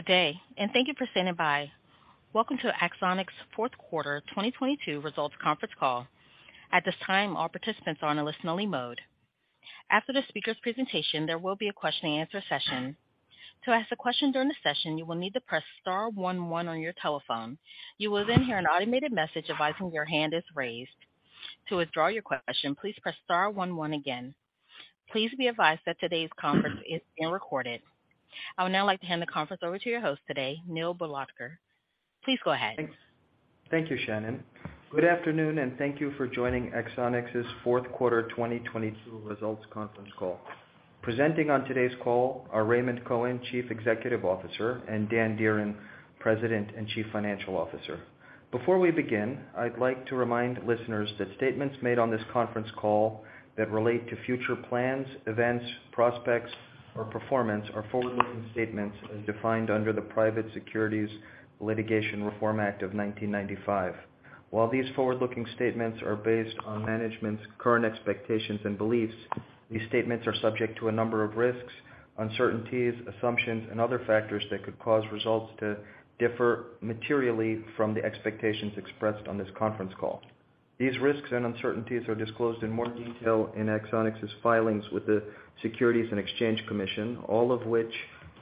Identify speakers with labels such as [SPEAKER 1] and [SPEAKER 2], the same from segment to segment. [SPEAKER 1] Good day. Thank you for standing by. Welcome to Axonics' fourth quarter 2022 results conference call. At this time, all participants are on a listen only mode. After the speaker's presentation, there will be a question and answer session. To ask a question during the session, you will need to press star one one on your telephone. You will hear an automated message advising your hand is raised. To withdraw your question, please press star one one again. Please be advised that today's conference is being recorded. I would now like to hand the conference over to your host today, Neil Bhalodkar. Please go ahead.
[SPEAKER 2] Thanks. Thank you, Shannon. Good afternoon, thank you for joining Axonics' fourth quarter 2022 results conference call. Presenting on today's call are Raymond Cohen, Chief Executive Officer, and Dan Dearen, President and Chief Financial Officer. Before we begin, I'd like to remind listeners that statements made on this conference call that relate to future plans, events, prospects or performance are forward-looking statements as defined under the Private Securities Litigation Reform Act of 1995. While these forward-looking statements are based on management's current expectations and beliefs, these statements are subject to a number of risks, uncertainties, assumptions and other factors that could cause results to differ materially from the expectations expressed on this conference call. These risks and uncertainties are disclosed in more detail in Axonics' filings with the Securities and Exchange Commission, all of which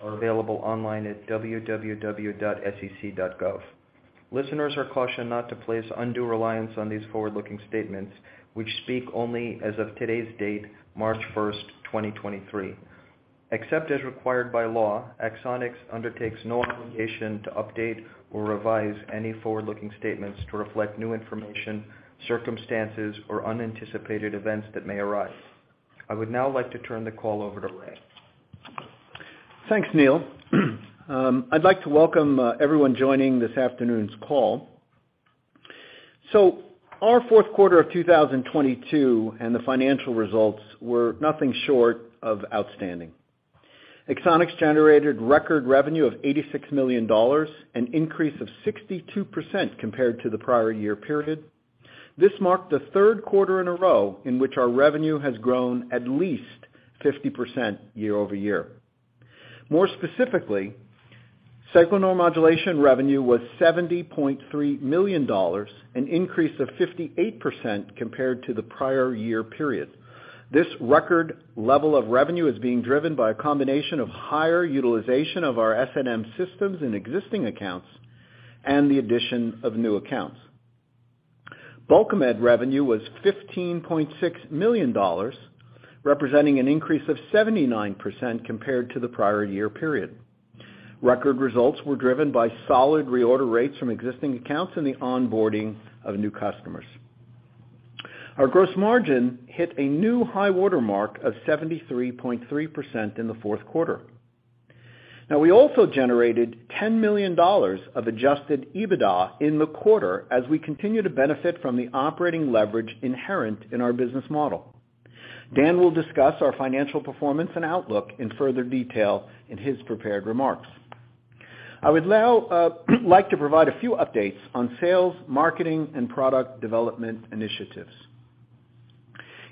[SPEAKER 2] are available online at www.sec.gov. Listeners are cautioned not to place undue reliance on these forward-looking statements which speak only as of today's date, March 1st, 2023. Except as required by law, Axonics undertakes no obligation to update or revise any forward-looking statements to reflect new information, circumstances or unanticipated events that may arise. I would now like to turn the call over to Ray.
[SPEAKER 3] Thanks, Neil. I'd like to welcome everyone joining this afternoon's call. Our fourth quarter of 2022 and the financial results were nothing short of outstanding. Axonics generated record revenue of $86 million, an increase of 62% compared to the prior year period. This marked the third quarter in a row in which our revenue has grown at least 50% year-over-year. More specifically, sacral neuromodulation revenue was $70.3 million, an increase of 58% compared to the prior year period. This record level of revenue is being driven by a combination of higher utilization of our SNM systems in existing accounts and the addition of new accounts. Bulkamid revenue was $15.6 million, representing an increase of 79% compared to the prior year period. Record results were driven by solid reorder rates from existing accounts and the onboarding of new customers. Our gross margin hit a new high water mark of 73.3% in the fourth quarter. We also generated $10 million of adjusted EBITDA in the quarter as we continue to benefit from the operating leverage inherent in our business model. Dan will discuss our financial performance and outlook in further detail in his prepared remarks. I would now like to provide a few updates on sales, marketing and product development initiatives.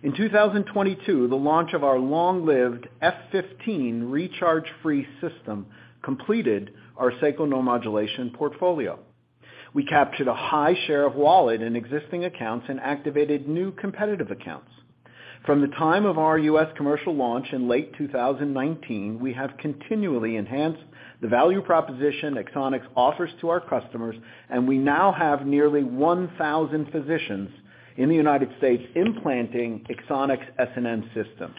[SPEAKER 3] In 2022, the launch of our long lived F15 recharge-free system completed our sacral neuromodulation portfolio. We captured a high share of wallet in existing accounts and activated new competitive accounts. From the time of our U.S. commercial launch in late 2019, we have continually enhanced the value proposition Axonics offers to our customers. We now have nearly 1,000 physicians in the United States implanting Axonics SNM systems.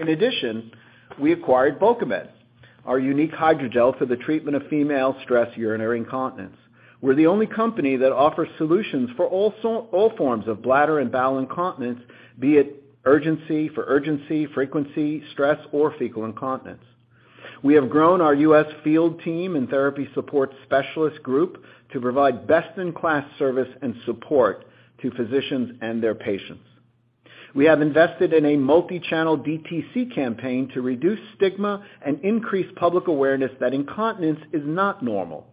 [SPEAKER 3] In addition, we acquired Bulkamid, our unique hydrogel for the treatment of female stress urinary incontinence. We're the only company that offers solutions for all forms of bladder and bowel incontinence, for urgency, frequency, stress or fecal incontinence. We have grown our U.S. field team and therapy support specialist group to provide best in class service and support to physicians and their patients. We have invested in a multi-channel DTC campaign to reduce stigma and increase public awareness that incontinence is not normal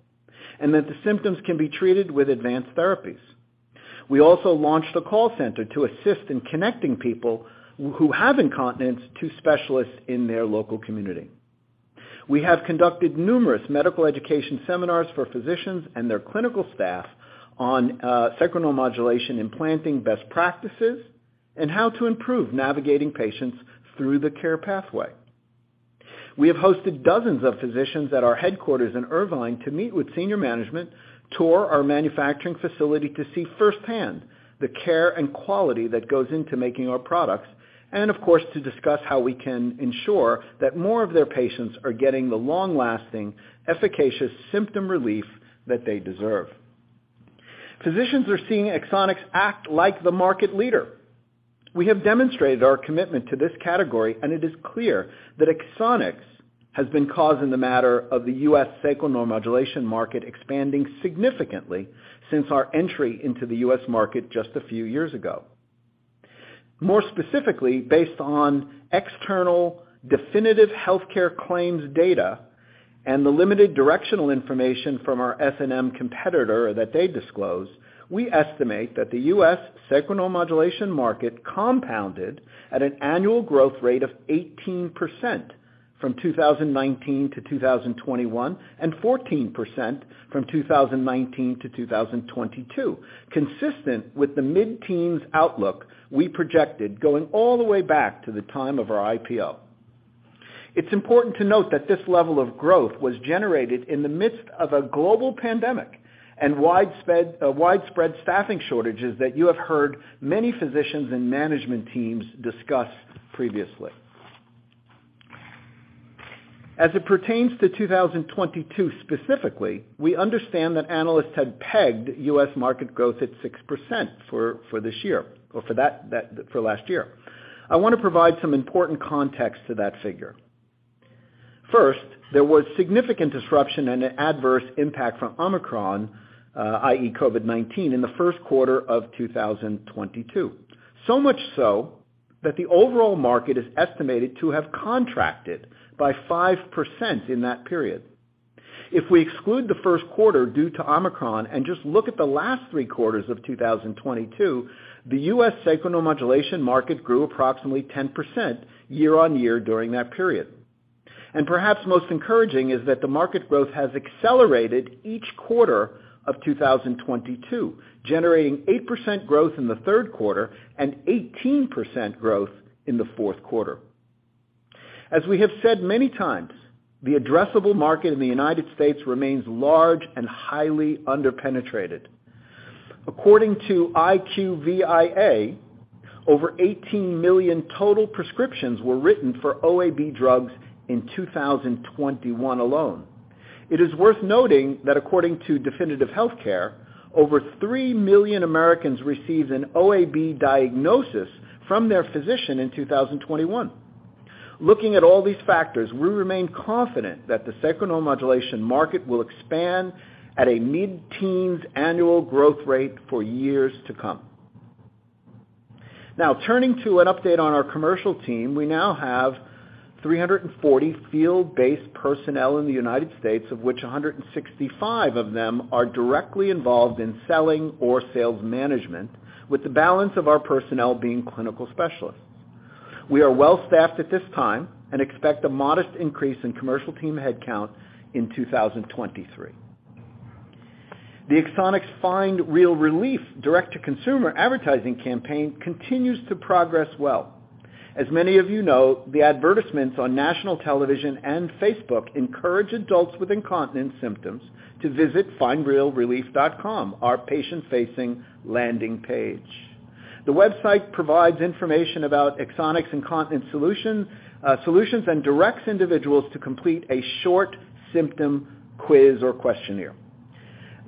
[SPEAKER 3] and that the symptoms can be treated with advanced therapies. We also launched a call center to assist in connecting people who have incontinence to specialists in their local community. We have conducted numerous medical education seminars for physicians and their clinical staff on sacral neuromodulation implanting best practices and how to improve navigating patients through the care pathway. We have hosted dozens of physicians at our headquarters in Irvine to meet with senior management, tour our manufacturing facility to see firsthand the care and quality that goes into making our products, and of course, to discuss how we can ensure that more of their patients are getting the long-lasting, efficacious symptom relief that they deserve. Physicians are seeing Axonics act like the market leader. We have demonstrated our commitment to this category, it is clear that Axonics has been causing the matter of the U.S. sacral neuromodulation market expanding significantly since our entry into the U.S. market just a few years ago. More specifically, based on external Definitive Healthcare claims data and the limited directional information from our SNM competitor that they disclose, we estimate that the U.S. sacral neuromodulation market compounded at an annual growth rate of 18% from 2019-2021, and 14% from 2019-2022. Consistent with the mid-teens outlook we projected going all the way back to the time of our IPO. It's important to note that this level of growth was generated in the midst of a global pandemic and widespread staffing shortages that you have heard many physicians and management teams discuss previously. As it pertains to 2022 specifically, we understand that analysts had pegged U.S. market growth at 6% for this year or for last year. I wanna provide some important context to that figure. First, there was significant disruption and a adverse impact from Omicron, i.e. COVID-19, in the first quarter of 2022. So much so that the overall market is estimated to have contracted by 5% in that period. If we exclude the first quarter due to Omicron and just look at the last three quarters of 2022, the U.S. sacral neuromodulation market grew approximately 10% year-on-year during that period. Perhaps most encouraging is that the market growth has accelerated each quarter of 2022, generating 8% growth in the third quarter and 18% growth in the fourth quarter. As we have said many times, the addressable market in the United States remains large and highly under-penetrated. According to IQVIA, over 18 million total prescriptions were written for OAB drugs in 2021 alone. It is worth noting that according to Definitive Healthcare, over 3 million Americans received an OAB diagnosis from their physician in 2021. Looking at all these factors, we remain confident that the sacral neuromodulation market will expand at a mid-teens annual growth rate for years to come. Now turning to an update on our commercial team. We now have 340 field-based personnel in the United States, of which 165 of them are directly involved in selling or sales management, with the balance of our personnel being clinical specialists. We are well staffed at this time and expect a modest increase in commercial team headcount in 2023. The Axonics Find Real Relief direct to consumer advertising campaign continues to progress well. As many of you know, the advertisements on national television and Facebook encourage adults with incontinence symptoms to visit findrealrelief.com, our patient-facing landing page. The website provides information about Axonics incontinence solutions and directs individuals to complete a short symptom quiz or questionnaire.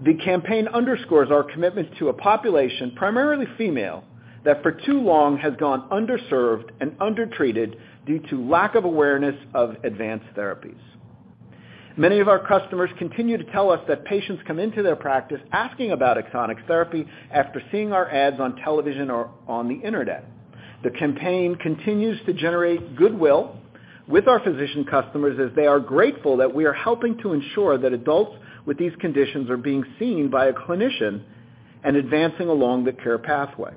[SPEAKER 3] The campaign underscores our commitment to a population, primarily female, that for too long has gone underserved and undertreated due to lack of awareness of advanced therapies. Many of our customers continue to tell us that patients come into their practice asking about Axonics therapy after seeing our ads on television or on the internet. The campaign continues to generate goodwill with our physician customers as they are grateful that we are helping to ensure that adults with these conditions are being seen by a clinician and advancing along the care pathway.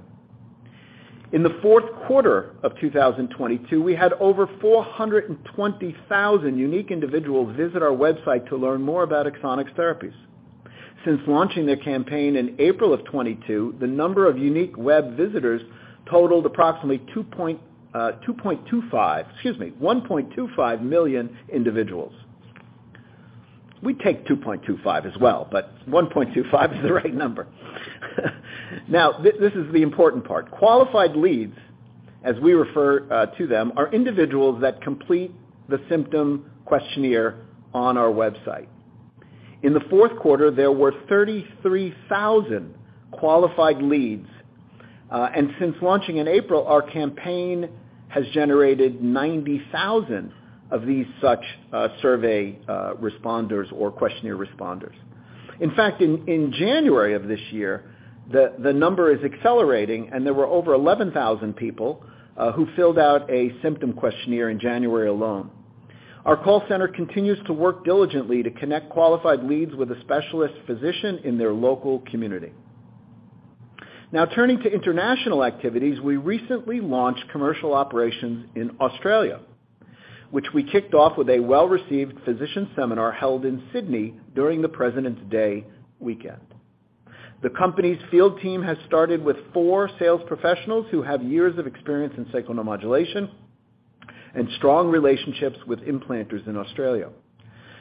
[SPEAKER 3] In the fourth quarter of 2022, we had over 420,000 unique individuals visit our website to learn more about Axonics therapies. Since launching their campaign in April of 2022, the number of unique web visitors totaled approximately 2.25. Excuse me, 1.25 million individuals. We take 2.25 as well, but 1.25 is the right number. This is the important part. Qualified leads, as we refer to them, are individuals that complete the symptom questionnaire on our website. In the fourth quarter, there were 33,000 qualified leads. Since launching in April, our campaign has generated 90,000 of these such survey responders or questionnaire responders. In fact, in January of this year, the number is accelerating and there were over 11,000 people who filled out a symptom questionnaire in January alone. Our call center continues to work diligently to connect qualified leads with a specialist physician in their local community. Now turning to international activities, we recently launched commercial operations in Australia, which we kicked off with a well-received physician seminar held in Sydney during the President's Day weekend. The company's field team has started with four sales professionals who have years of experience in sacral neuromodulation and strong relationships with implanters in Australia.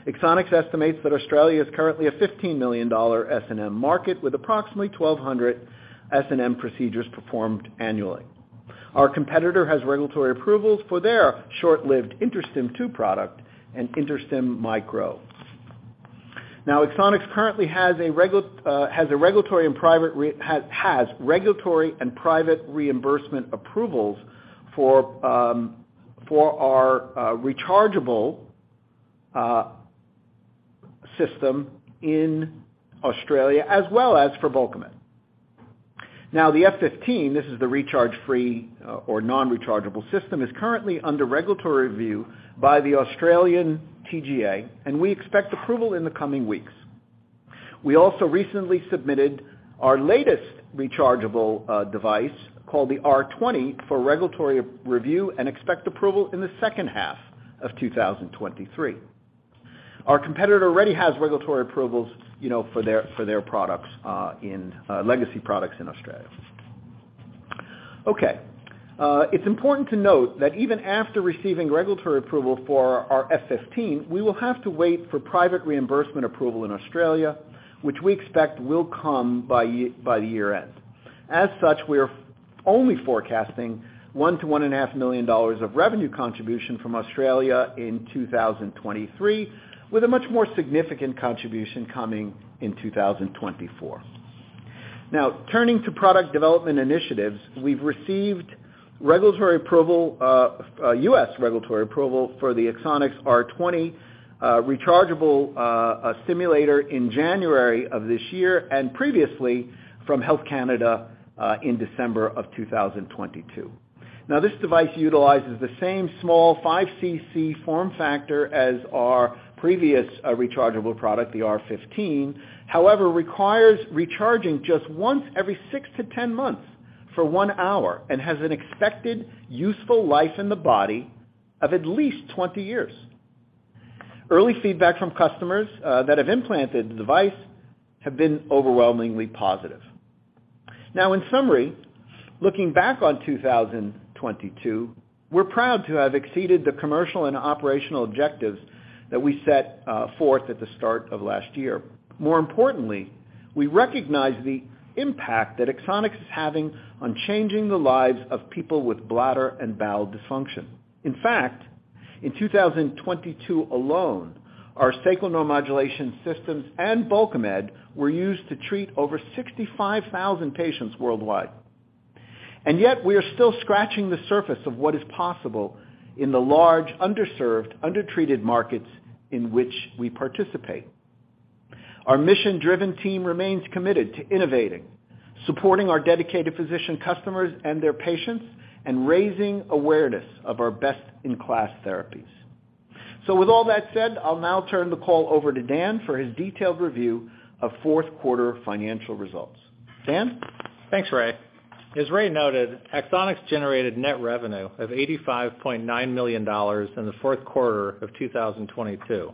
[SPEAKER 3] Axonics estimates that Australia is currently a $15 million SNM market, with approximately 1,200 SNM procedures performed annually. Our competitor has regulatory approvals for their short-lived InterStim II product and InterStim Micro. Axonics currently has regulatory and private reimbursement approvals for our rechargeable system in Australia, as well as for Bulkamid. The F15, this is the recharge-free or non-rechargeable system, is currently under regulatory review by the Australian TGA, and we expect approval in the coming weeks. We also recently submitted our latest rechargeable device called the R20 for regulatory review and expect approval in the second half of 2023. Our competitor already has regulatory approvals, you know, for their, for their products, legacy products in Australia. It's important to note that even after receiving regulatory approval for our F15, we will have to wait for private reimbursement approval in Australia, which we expect will come by the year end. We're only forecasting one to one and a half million dollars of revenue contribution from Australia in 2023, with a much more significant contribution coming in 2024. Turning to product development initiatives. We've received regulatory approval, U.S. regulatory approval for the Axonics R20 rechargeable stimulator in January of this year and previously from Health Canada in December of 2022. This device utilizes the same small 5cc form factor as our previous rechargeable product, the R15. However, requires recharging just once every six to 10 months for one hour and has an expected useful life in the body of at least 20 years. Early feedback from customers that have implanted the device have been overwhelmingly positive. In summary, looking back on 2022, we're proud to have exceeded the commercial and operational objectives that we set forth at the start of last year. More importantly, we recognize the impact that Axonics is having on changing the lives of people with bladder and bowel dysfunction. In fact, in 2022 alone, our sacral neuromodulation systems and Bulkamid were used to treat over 65,000 patients worldwide. We are still scratching the surface of what is possible in the large, underserved, undertreated markets in which we participate. Our mission-driven team remains committed to innovating, supporting our dedicated physician customers and their patients, and raising awareness of our best-in-class therapies. With all that said, I'll now turn the call over to Dan for his detailed review of fourth quarter financial results. Dan?
[SPEAKER 4] Thanks, Ray. As Ray noted, Axonics generated net revenue of $85.9 million in the fourth quarter of 2022.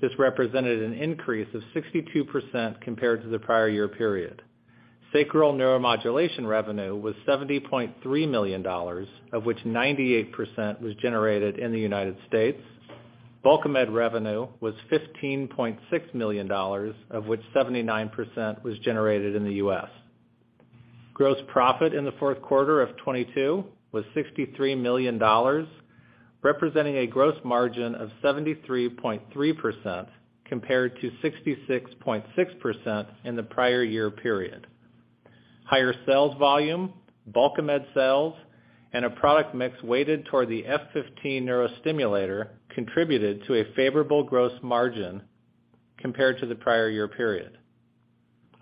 [SPEAKER 4] This represented an increase of 62% compared to the prior year period. sacral neuromodulation revenue was $70.3 million, of which 98% was generated in the United States. Bulkamid revenue was $15.6 million, of which 79% was generated in the U.S. Gross profit in the fourth quarter of 2022 was $63 million, representing a gross margin of 73.3% compared to 66.6% in the prior year period. Higher sales volume, Bulkamid sales, and a product mix weighted toward the F15 neurostimulator contributed to a favorable gross margin compared to the prior year period.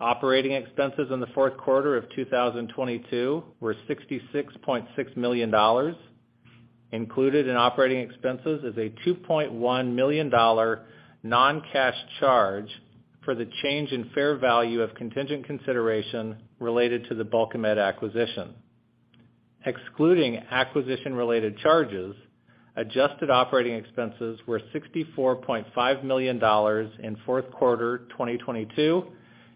[SPEAKER 4] Operating expenses in the fourth quarter of 2022 were $66.6 million. Included in operating expenses is a $2.1 million non-cash charge for the change in fair value of contingent consideration related to the Bulkamid acquisition. Excluding acquisition related charges, adjusted operating expenses were $64.5 million in fourth quarter 2022,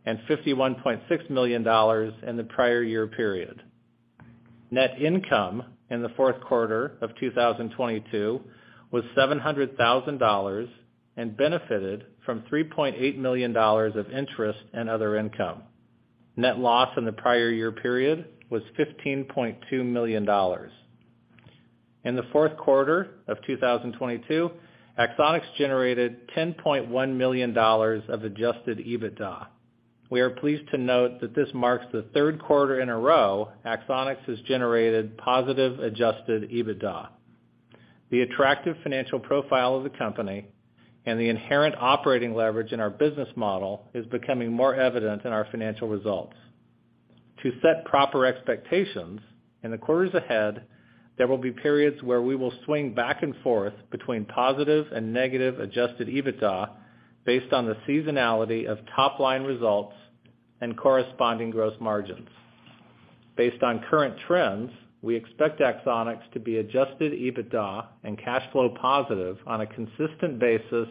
[SPEAKER 4] and $51.6 million in the prior year period. Net income in the fourth quarter of 2022 was $700,000 and benefited from $3.8 million of interest and other income. Net loss in the prior year period was $15.2 million. In the fourth quarter of 2022, Axonics generated $10.1 million of adjusted EBITDA. We are pleased to note that this marks the third quarter in a row Axonics has generated positive adjusted EBITDA. The attractive financial profile of the company and the inherent operating leverage in our business model is becoming more evident in our financial results. To set proper expectations, in the quarters ahead, there will be periods where we will swing back and forth between positive and negative adjusted EBITDA based on the seasonality of top line results and corresponding gross margins. Based on current trends, we expect Axonics to be adjusted EBITDA and cash flow positive on a consistent basis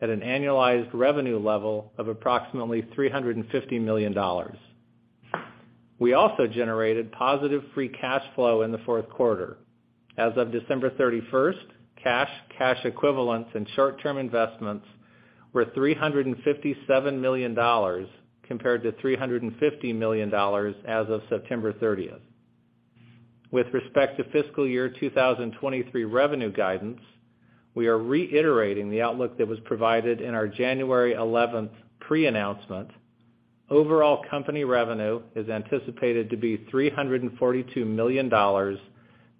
[SPEAKER 4] at an annualized revenue level of approximately $350 million. We also generated positive free cash flow in the fourth quarter. As of December 31st, cash equivalents, and short-term investments were $357 million compared to $350 million as of September 30th. With respect to fiscal year 2023 revenue guidance, we are reiterating the outlook that was provided in our January 11th pre-announcement. Overall company revenue is anticipated to be $342 million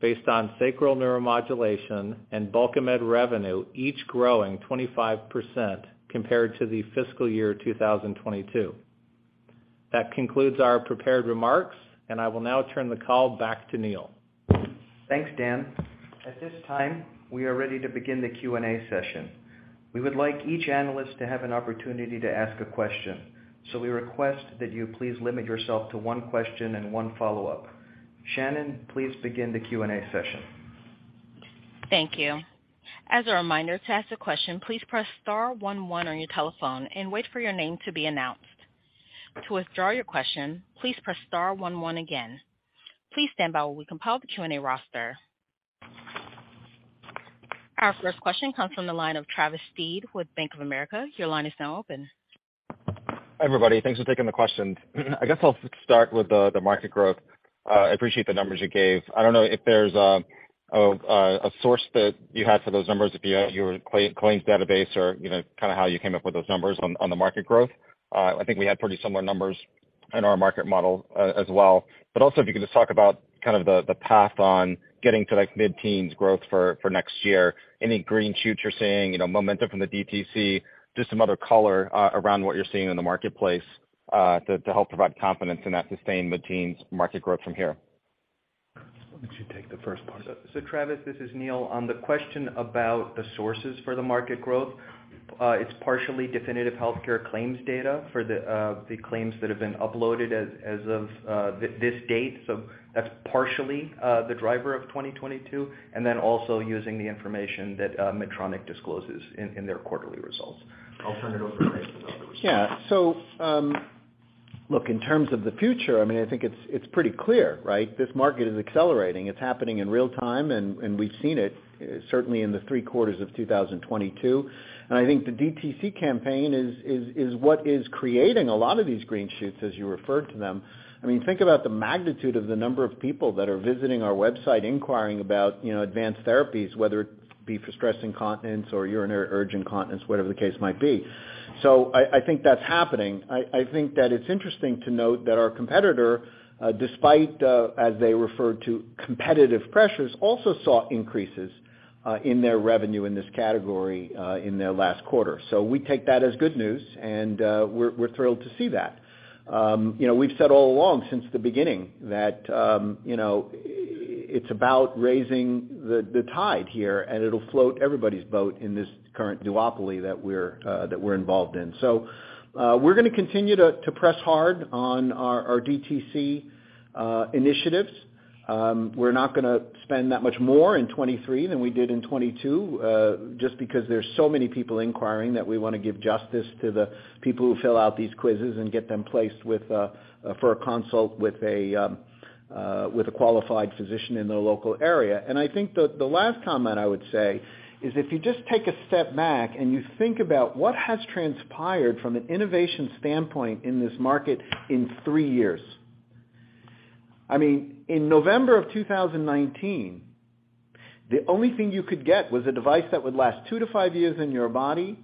[SPEAKER 4] based on Sacral Neuromodulation and Bulkamid revenue, each growing 25% compared to the fiscal year 2022.That concludes our prepared remarks, and I will now turn the call back to Neil.
[SPEAKER 2] Thanks, Dan. At this time, we are ready to begin the Q&A session. We would like each analyst to have an opportunity to ask a question, so we request that you please limit yourself to one question and one follow-up. Shannon, please begin the Q&A session.
[SPEAKER 1] Thank you. As a reminder, to ask a question, please press star one one on your telephone and wait for your name to be announced. To withdraw your question, please press star one one again. Please stand by while we compile the Q&A roster. Our first question comes from the line of Travis Steed with Bank of America. Your line is now open.
[SPEAKER 5] Hi, everybody. Thanks for taking the questions. I guess I'll start with the market growth. I appreciate the numbers you gave. I don't know if there's a source that you had for those numbers, if you had your claims database or, you know, kind of how you came up with those numbers on the market growth. I think we had pretty similar numbers in our market model as well. Also, if you could just talk about kind of the path on getting to, like, mid-teens growth for next year. Any green shoots you're seeing, you know, momentum from the DTC, just some other color around what you're seeing in the marketplace to help provide confidence in that sustained mid-teens market growth from here.
[SPEAKER 3] Why don't you take the first part?
[SPEAKER 2] Travis, this is Neil. On the question about the sources for the market growth, it's partially Definitive Healthcare claims data for the claims that have been uploaded as of this date. That's partially the driver of 2022, and then also using the information that Medtronic discloses in their quarterly results. I'll turn it over to Ray for the rest.
[SPEAKER 3] Look, in terms of the future, I mean, I think it's pretty clear, right? This market is accelerating. It's happening in real time, and we've seen it certainly in the three quarters of 2022. I think the DTC campaign is what is creating a lot of these green shoots, as you referred to them. I mean, think about the magnitude of the number of people that are visiting our website inquiring about, you know, advanced therapies, whether it be for stress incontinence or urinary urge incontinence, whatever the case might be. I think that's happening. I think that it's interesting to note that our competitor, despite as they referred to competitive pressures, also saw increases in their revenue in this category in their last quarter. We take that as good news, and we're thrilled to see that. You know, we've said all along since the beginning that, you know, it's about raising the tide here, and it'll float everybody's boat in this current duopoly that we're involved in. We're gonna continue to press hard on our DTC initiatives. We're not gonna spend that much more in 2023 than we did in 2022, just because there's so many people inquiring that we wanna give justice to the people who fill out these quizzes and get them placed with for a consult with a qualified physician in their local area. I think the last comment I would say is if you just take a step back and you think about what has transpired from an innovation standpoint in this market in three years. I mean, in November of 2019, the only thing you could get was a device that would last two to five years in your body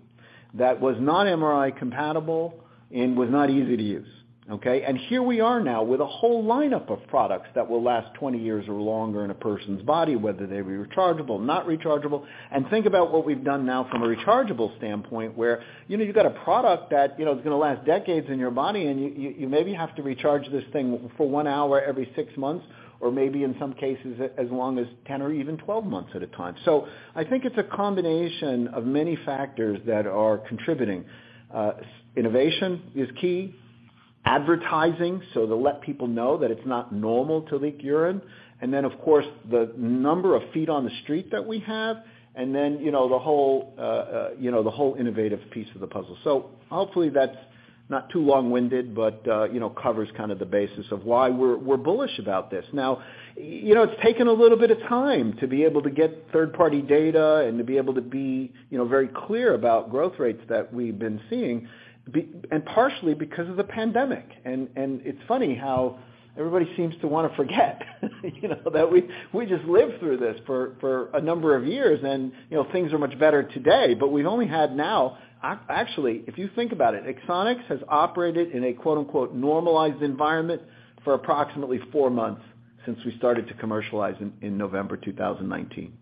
[SPEAKER 3] that was not MRI compatible and was not easy to use. Okay. Here we are now with a whole lineup of products that will last 20 years or longer in a person's body, whether they be rechargeable, not rechargeable. Think about what we've done now from a rechargeable standpoint, where, you know, you've got a product that you know is gonna last decades in your body, and you maybe have to recharge this thing for 1 hour every 6 months, or maybe in some cases as long as 10 or even 12 months at a time. I think it's a combination of many factors that are contributing. Innovation is key. Advertising, so to let people know that it's not normal to leak urine. Then, of course, the number of feet on the street that we have, and then, you know, the whole, you know, the whole innovative piece of the puzzle. Hopefully that's not too long-winded, but, you know, covers kind of the basis of why we're bullish about this. You know, it's taken a little bit of time to be able to get third-party data and to be able to be, you know, very clear about growth rates that we've been seeing and partially because of the pandemic. it's funny how everybody seems to wanna forget, you know, that we just lived through this for a number of years and, you know, things are much better today. We've only had now. Actually, if you think about it, Axonics has operated in a quote unquote normalized environment for approximately four months since we started to commercialize in November 2019.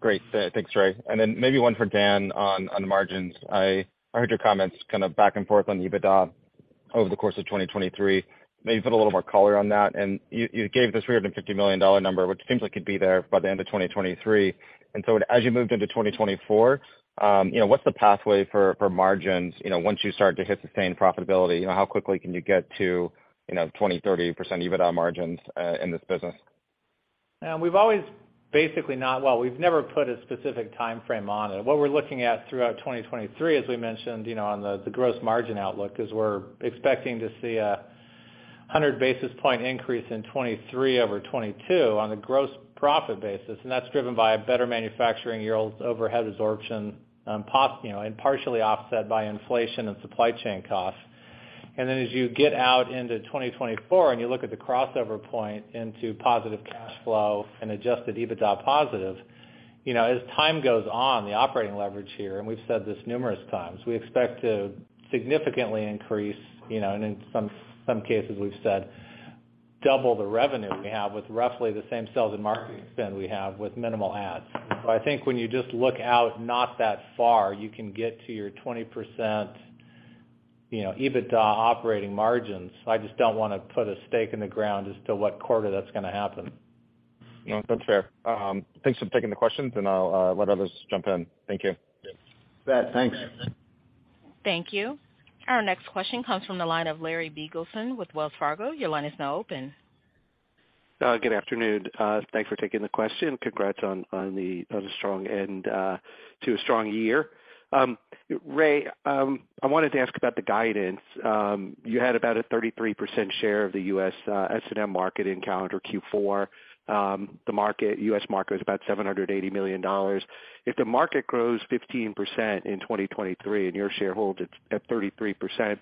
[SPEAKER 5] Great. Thanks, Ray. Then maybe one for Dan on margins. I heard your comments kind of back and forth on EBITDA over the course of 2023. Maybe put a little more color on that. You, you gave the $350 million number, which seems like you'd be there by the end of 2023. As you moved into 2024, you know, what's the pathway for margins, you know, once you start to hit sustained profitability? You know, how quickly can you get to, you know, 20%-30% EBITDA margins in this business?
[SPEAKER 4] We've always basically never put a specific timeframe on it. What we're looking at throughout 2023, as we mentioned, you know, on the gross margin outlook, is we're expecting to see 100 basis point increase in 2023 over 2022 on a gross profit basis, and that's driven by a better manufacturing year-old overhead absorption, you know, and partially offset by inflation and supply chain costs. As you get out into 2024, and you look at the crossover point into positive cash flow and adjusted EBITDA positive, you know, as time goes on, the operating leverage here, and we've said this numerous times, we expect to significantly increase, you know, and in some cases we've said double the revenue we have with roughly the same sales and marketing spend we have with minimal ads. I think when you just look out not that far, you can get to your 20%, you know, EBITDA operating margins. I just don't wanna put a stake in the ground as to what quarter that's gonna happen.
[SPEAKER 5] No, that's fair. Thanks for taking the questions, and I'll let others jump in. Thank you.
[SPEAKER 4] Yeah.
[SPEAKER 3] Yeah, thanks.
[SPEAKER 1] Thank you. Our next question comes from the line of Larry Biegelsen with Wells Fargo. Your line is now open.
[SPEAKER 6] Good afternoon. Thanks for taking the question. Congrats on the, on a strong end to a strong year. Ray, I wanted to ask about the guidance. You had about a 33% share of the U.S. SNM market in calendar Q4. The U.S. market was about $780 million. If the market grows 15% in 2023 and your sharehold it's at 33%,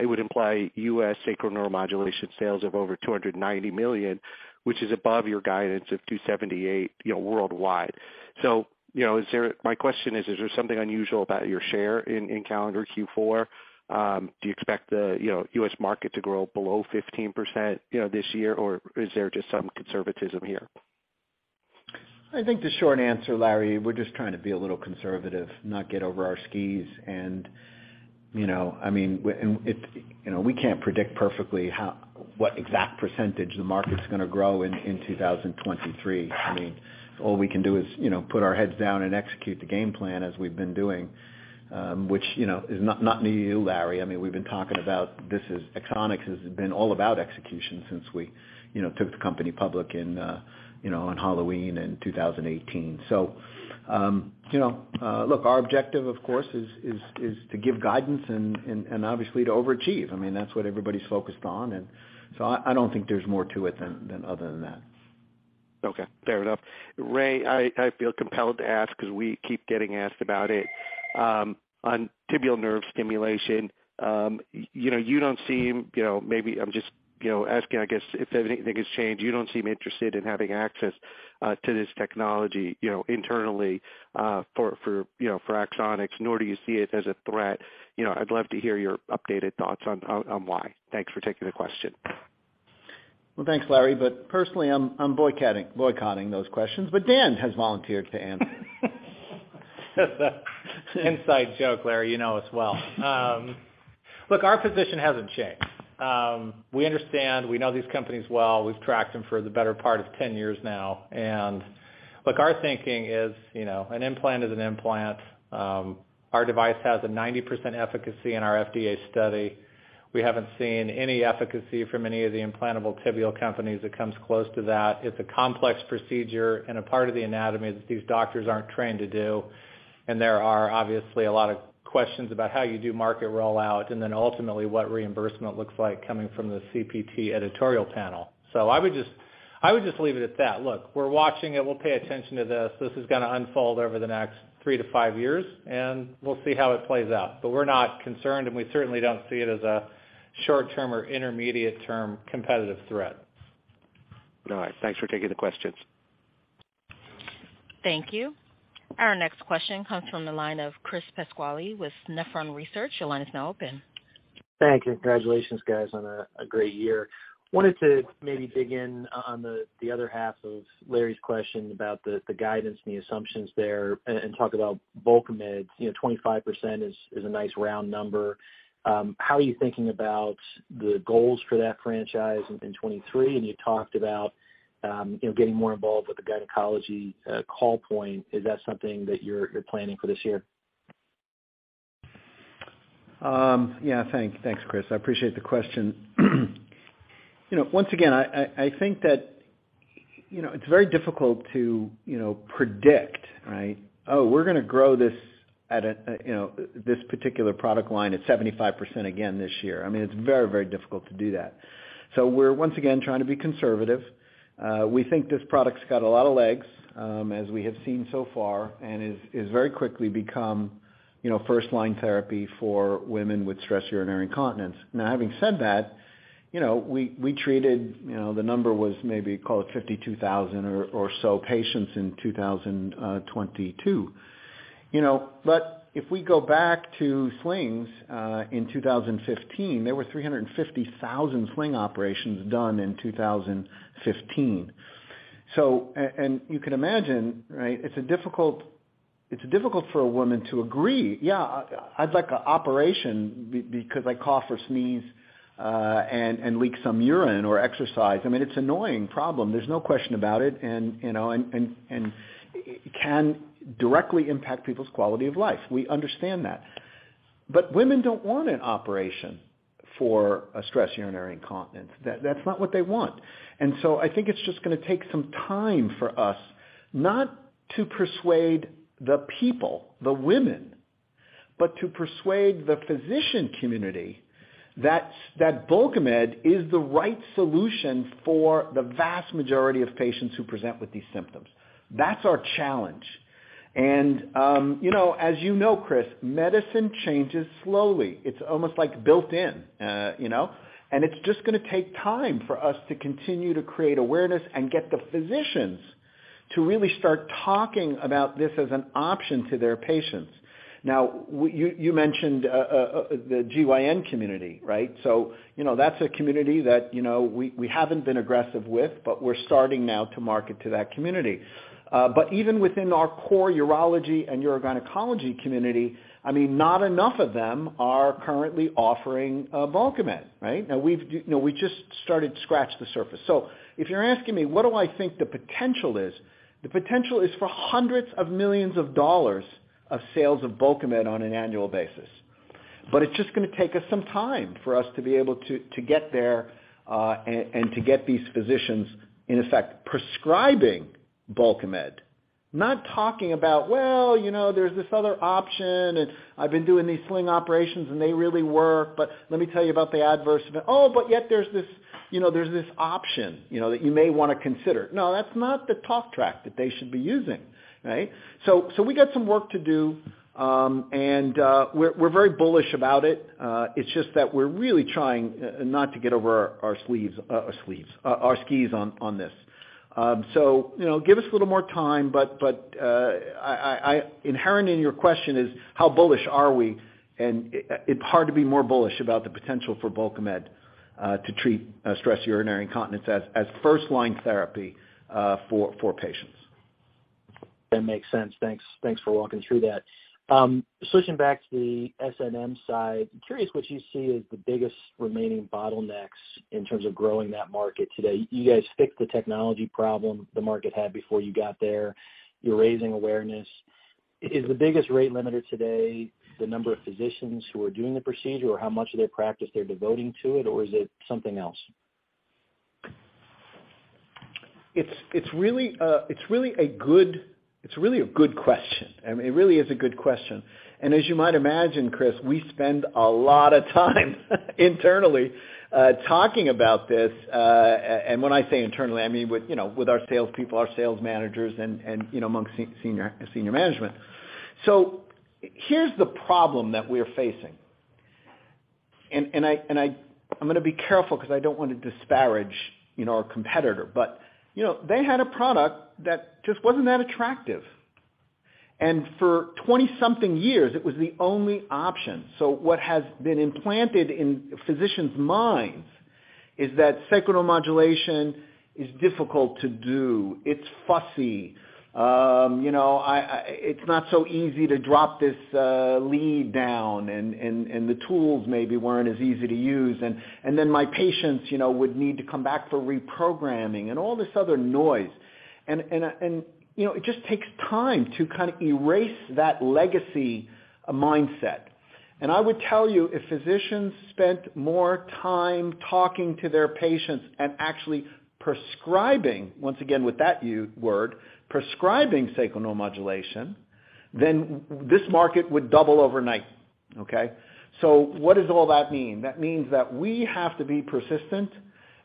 [SPEAKER 6] it would imply U.S. sacral neuromodulation sales of over $290 million, which is above your guidance of $278 million, you know, worldwide. You know, My question is there something unusual about your share in calendar Q4? Do you expect the, you know, U.S. market to grow below 15%, you know, this year, or is there just some conservatism here?
[SPEAKER 3] I think the short answer, Larry, we're just trying to be a little conservative, not get over our skis and, you know, I mean, You know, we can't predict perfectly what exact percentage the market's gonna grow in 2023. I mean, all we can do is, you know, put our heads down and execute the game plan as we've been doing, which, you know, is not new to you, Larry. I mean, we've been talking about Axonics has been all about execution since we, you know, took the company public in, you know, on Halloween in 2018. You know, look, our objective, of course, is to give guidance and obviously to overachieve. I mean, that's what everybody's focused on and so I don't think there's more to it than other than that.
[SPEAKER 6] Okay. Fair enough. Ray, I feel compelled to ask 'cause we keep getting asked about it. On tibial nerve stimulation, you know, you don't seem, you know, maybe I'm just, you know, asking, I guess, if anything has changed. You don't seem interested in having access to this technology, you know, internally for Axonics, nor do you see it as a threat. You know, I'd love to hear your updated thoughts on why. Thanks for taking the question.
[SPEAKER 3] Thanks, Larry, but personally, I'm boycotting those questions, but Dan has volunteered to answer.
[SPEAKER 4] It's an inside joke, Larry. You know us well. Look, our position hasn't changed. We understand, we know these companies well. We've tracked them for the better part of 10 years now. Look, our thinking is, you know, an implant is an implant. Our device has a 90% efficacy in our FDA study. We haven't seen any efficacy from any of the implantable tibial companies that comes close to that. It's a complex procedure and a part of the anatomy that these doctors aren't trained to do. There are obviously a lot of questions about how you do market rollout and then ultimately what reimbursement looks like coming from the CPT editorial panel. I would just, I would just leave it at that. Look, we're watching it. We'll pay attention to this. This is gonna unfold over the next three to five years, and we'll see how it plays out. We're not concerned, and we certainly don't see it as a short-term or intermediate-term competitive threat.
[SPEAKER 6] All right. Thanks for taking the questions.
[SPEAKER 1] Thank you. Our next question comes from the line of Chris Pasquale with Nephron Research. Your line is now open.
[SPEAKER 7] Thank you. Congratulations, guys, on a great year. Wanted to maybe dig in on the other half of Larry's question about the guidance and the assumptions there and talk about Bulkamid. You know, 25% is a nice round number. How are you thinking about the goals for that franchise in 2023? You talked about, you know, getting more involved with the gynecology call point. Is that something that you're planning for this year?
[SPEAKER 3] Yeah. Thanks, Chris. I appreciate the question. You know, once again, I think that, you know, it's very difficult to, you know, predict, right? Oh, we're gonna grow this at this particular product line at 75% again this year. I mean, it's very, very difficult to do that. We're once again trying to be conservative. We think this product's got a lot of legs, as we have seen so far and has very quickly become, you know, first-line therapy for women with stress urinary incontinence. Having said that, you know, we treated, you know, the number was maybe, call it 52,000 or so patients in 2022. You know, If we go back to slings, in 2015, there were 350,000 sling operations done in 2015. And you can imagine, right, it's a difficult, it's difficult for a woman to agree, "Yeah, I'd like a operation because I cough or sneeze, and leak some urine or exercise." I mean, it's annoying problem, there's no question about it and, you know, and it can directly impact people's quality of life. We understand that. Women don't want an operation for a stress urinary incontinence. That's not what they want. I think it's just gonna take some time for us not to persuade the people, the women, but to persuade the physician community that Bulkamid is the right solution for the vast majority of patients who present with these symptoms. That's our challenge. You know, as you know, Chris, medicine changes slowly. It's almost like built in, you know? It's just gonna take time for us to continue to create awareness and get the physicians to really start talking about this as an option to their patients. Now, you mentioned the GYN community, right? You know, that's a community that, you know, we haven't been aggressive with, but we're starting now to market to that community. But even within our core urology and urogynecology community, I mean, not enough of them are currently offering Bulkamid, right? Now we just started to scratch the surface. If you're asking me, what do I think the potential is? The potential is for hundreds of millions of dollars of sales of Bulkamid on an annual basis. It's just gonna take us some time for us to be able to get there, and to get these physicians, in effect, prescribing Bulkamid, not talking about, "Well, you know, there's this other option, and I've been doing these sling operations, and they really work. But let me tell you about the adverse event. Yet there's this option, you know, that you may wanna consider." No, that's not the talk track that they should be using, right? We got some work to do, and we're very bullish about it. It's just that we're really trying not to get over our sleeves, our skis on this. You know, give us a little more time, but I... Inherent in your question is how bullish are we? It's hard to be more bullish about the potential for Bulkamid to treat stress urinary incontinence as first line therapy for patients.
[SPEAKER 7] That makes sense. Thanks for walking through that. Switching back to the SNM side, I'm curious what you see as the biggest remaining bottlenecks in terms of growing that market today. You guys fixed the technology problem the market had before you got there. You're raising awareness. Is the biggest rate limiter today the number of physicians who are doing the procedure, or how much of their practice they're devoting to it, or is it something else?
[SPEAKER 3] It's really a good question. I mean, it really is a good question. As you might imagine, Chris, we spend a lot of time internally talking about this. And when I say internally, I mean with, you know, with our sales people, our sales managers, and, you know, among senior management. Here's the problem that we're facing. I'm gonna be careful 'cause I don't want to disparage, you know, our competitor. You know, they had a product that just wasn't that attractive. For 20-something years, it was the only option. What has been implanted in physicians' minds is that sacral neuromodulation is difficult to do. It's fussy. You know. It's not so easy to drop this lead down and the tools maybe weren't as easy to use. Then my patients, you know, would need to come back for reprogramming and all this other noise. You know, it just takes time to kind of erase that legacy mindset. I would tell you, if physicians spent more time talking to their patients and actually prescribing, once again with that word, prescribing sacral neuromodulation, then this market would double overnight, okay? What does all that mean? That means that we have to be persistent.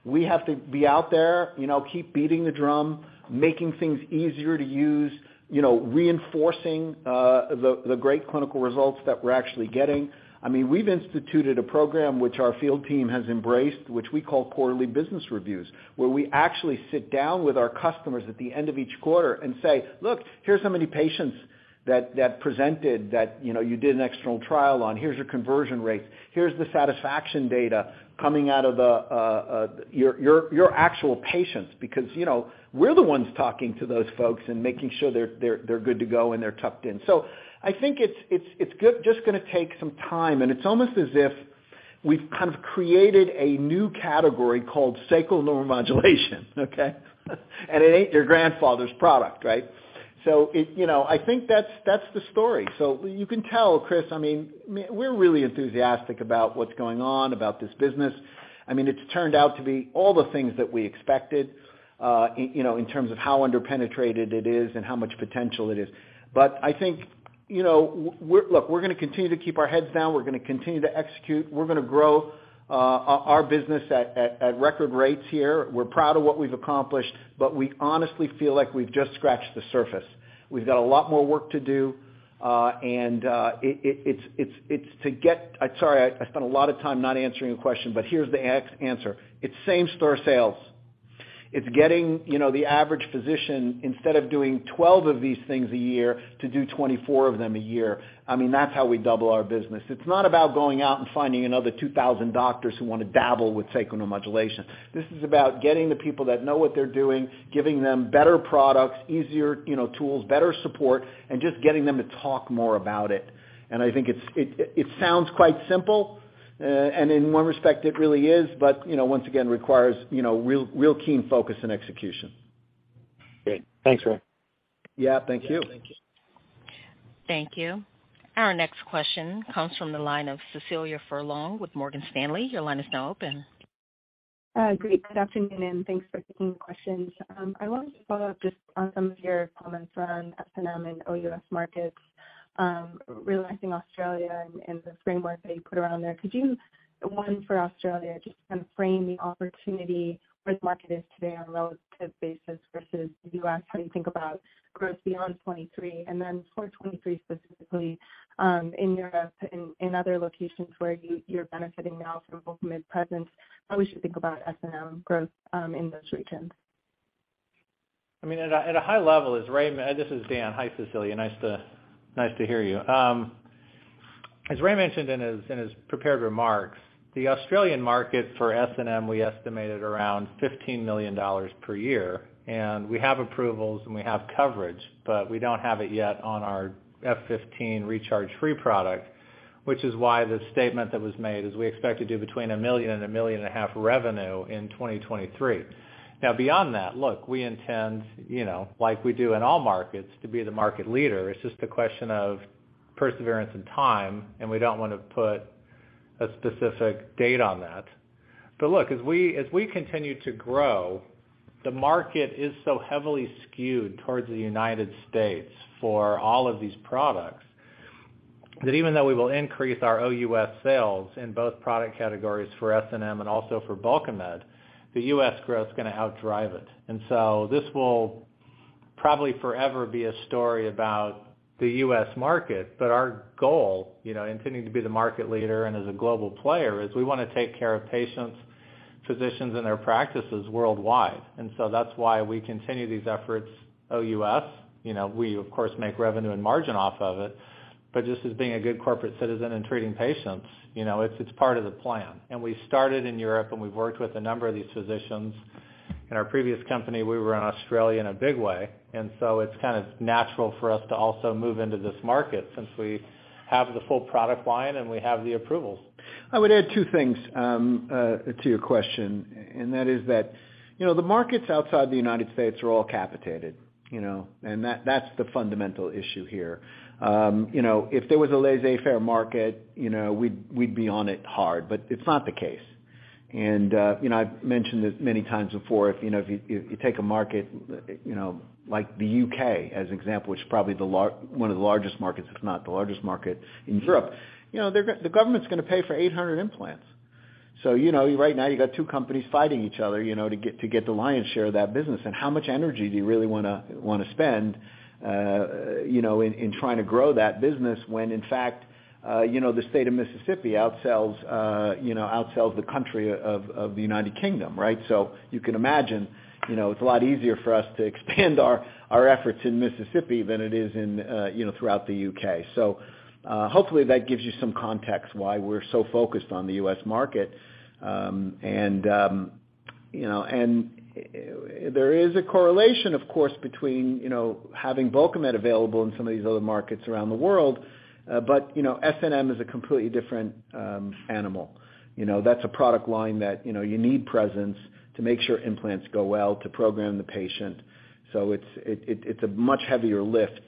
[SPEAKER 3] We have to be out there, you know, keep beating the drum, making things easier to use, you know, reinforcing the great clinical results that we're actually getting. I mean, we've instituted a program which our field team has embraced, which we call quarterly business reviews, where we actually sit down with our customers at the end of each quarter and say, "Look, here's how many patients that presented that, you know, you did an external trial on. Here's your conversion rates. Here's the satisfaction data coming out of your actual patients." Because, you know, we're the ones talking to those folks and making sure they're good to go and they're tucked in. So I think it's, it's just gonna take some time, and it's almost as if we've kind of created a new category called sacral neuromodulation, okay? And it ain't your grandfather's product, right? So it. You know, I think that's the story. You can tell, Chris, I mean, we're really enthusiastic about what's going on about this business. I mean, it's turned out to be all the things that we expected, you know, in terms of how under-penetrated it is and how much potential it is. I think, you know, we're. Look, we're gonna continue to keep our heads down. We're gonna continue to execute. We're gonna grow our business at record rates here. We're proud of what we've accomplished, but we honestly feel like we've just scratched the surface. We've got a lot more work to do. I'm sorry, I spent a lot of time not answering your question, here's the answer. It's same store sales. It's getting, you know, the average physician, instead of doing 12 of these things a year, to do 24 of them a year. I mean, that's how we double our business. It's not about going out and finding another 2,000 doctors who wanna dabble with sacral neuromodulation. This is about getting the people that know what they're doing, giving them better products, easier, you know, tools, better support, and just getting them to talk more about it. I think it's, it sounds quite simple, and in one respect, it really is, but, you know, once again, requires, you know, real keen focus and execution.
[SPEAKER 7] Great. Thanks, Ray.
[SPEAKER 3] Yeah, thank you.
[SPEAKER 7] Yeah, thank you.
[SPEAKER 1] Thank you. Our next question comes from the line of Cecilia Furlong with Morgan Stanley. Your line is now open.
[SPEAKER 8] Great. Good afternoon, and thanks for taking the questions. I wanted to follow up just on some of your comments on SNM and OUS markets, realizing Australia and the framework that you put around there. Could you, one, for Australia, just kind of frame the opportunity where the market is today on a relative basis versus the U.S., how do you think about growth beyond 2023? Then for 2023 specifically, in Europe, in other locations where you're benefiting now from Bulkamid presence, how we should think about SNM growth in those regions?
[SPEAKER 4] I mean, at a high level as Ray. This is Dan. Hi, Cecilia, nice to hear you. As Ray mentioned in his prepared remarks, the Australian market for SNM, we estimated around $15 million per year, we have approvals and we have coverage, but we don't have it yet on our F15 recharge-free product, which is why the statement that was made is we expect to do between $1 million and $1.5 million revenue in 2023. Beyond that, look, we intend, you know, like we do in all markets, to be the market leader. It's just a question of perseverance and time. We don't wanna put a specific date on that. Look, as we continue to grow, the market is so heavily skewed towards the United States for all of these products. That even though we will increase our OUS sales in both product categories for SNM and also for Bulkamid, the U.S. growth is gonna outdrive it. This will probably forever be a story about the U.S. market. Our goal, you know, intending to be the market leader and as a global player, is we wanna take care of patients, physicians and their practices worldwide. That's why we continue these efforts OUS. You know, we of course, make revenue and margin off of it. Just as being a good corporate citizen and treating patients, you know, it's part of the plan. We started in Europe, and we've worked with a number of these physicians. In our previous company, we were in Australia in a big way. It's kind of natural for us to also move into this market since we have the full product line and we have the approvals.
[SPEAKER 3] I would add two things to your question, and that is that, you know, the markets outside the United States are all capitated, you know, that's the fundamental issue here. You know, if there was a laissez-faire market, you know, we'd be on it hard, but it's not the case. I've mentioned it many times before, if you take a market, you know, like the U.K. as an example, which is probably one of the largest markets, if not the largest market in Europe. The government's gonna pay for 800 implants. Right now you got two companies fighting each other, you know, to get the lion's share of that business. How much energy do you really wanna spend, you know, in trying to grow that business when in fact, you know, the state of Mississippi outsells, you know, outsells the country of the United Kingdom. You can imagine, you know, it's a lot easier for us to expand our efforts in Mississippi than it is in, you know, throughout the U.K. Hopefully that gives you some context why we're so focused on the U.S. market. You know, there is a correlation of course between, you know, having Bulkamid available in some of these other markets around the world. You know, SNM is a completely different animal. You know, that's a product line that, you know, you need presence to make sure implants go well to program the patient. It's a much heavier lift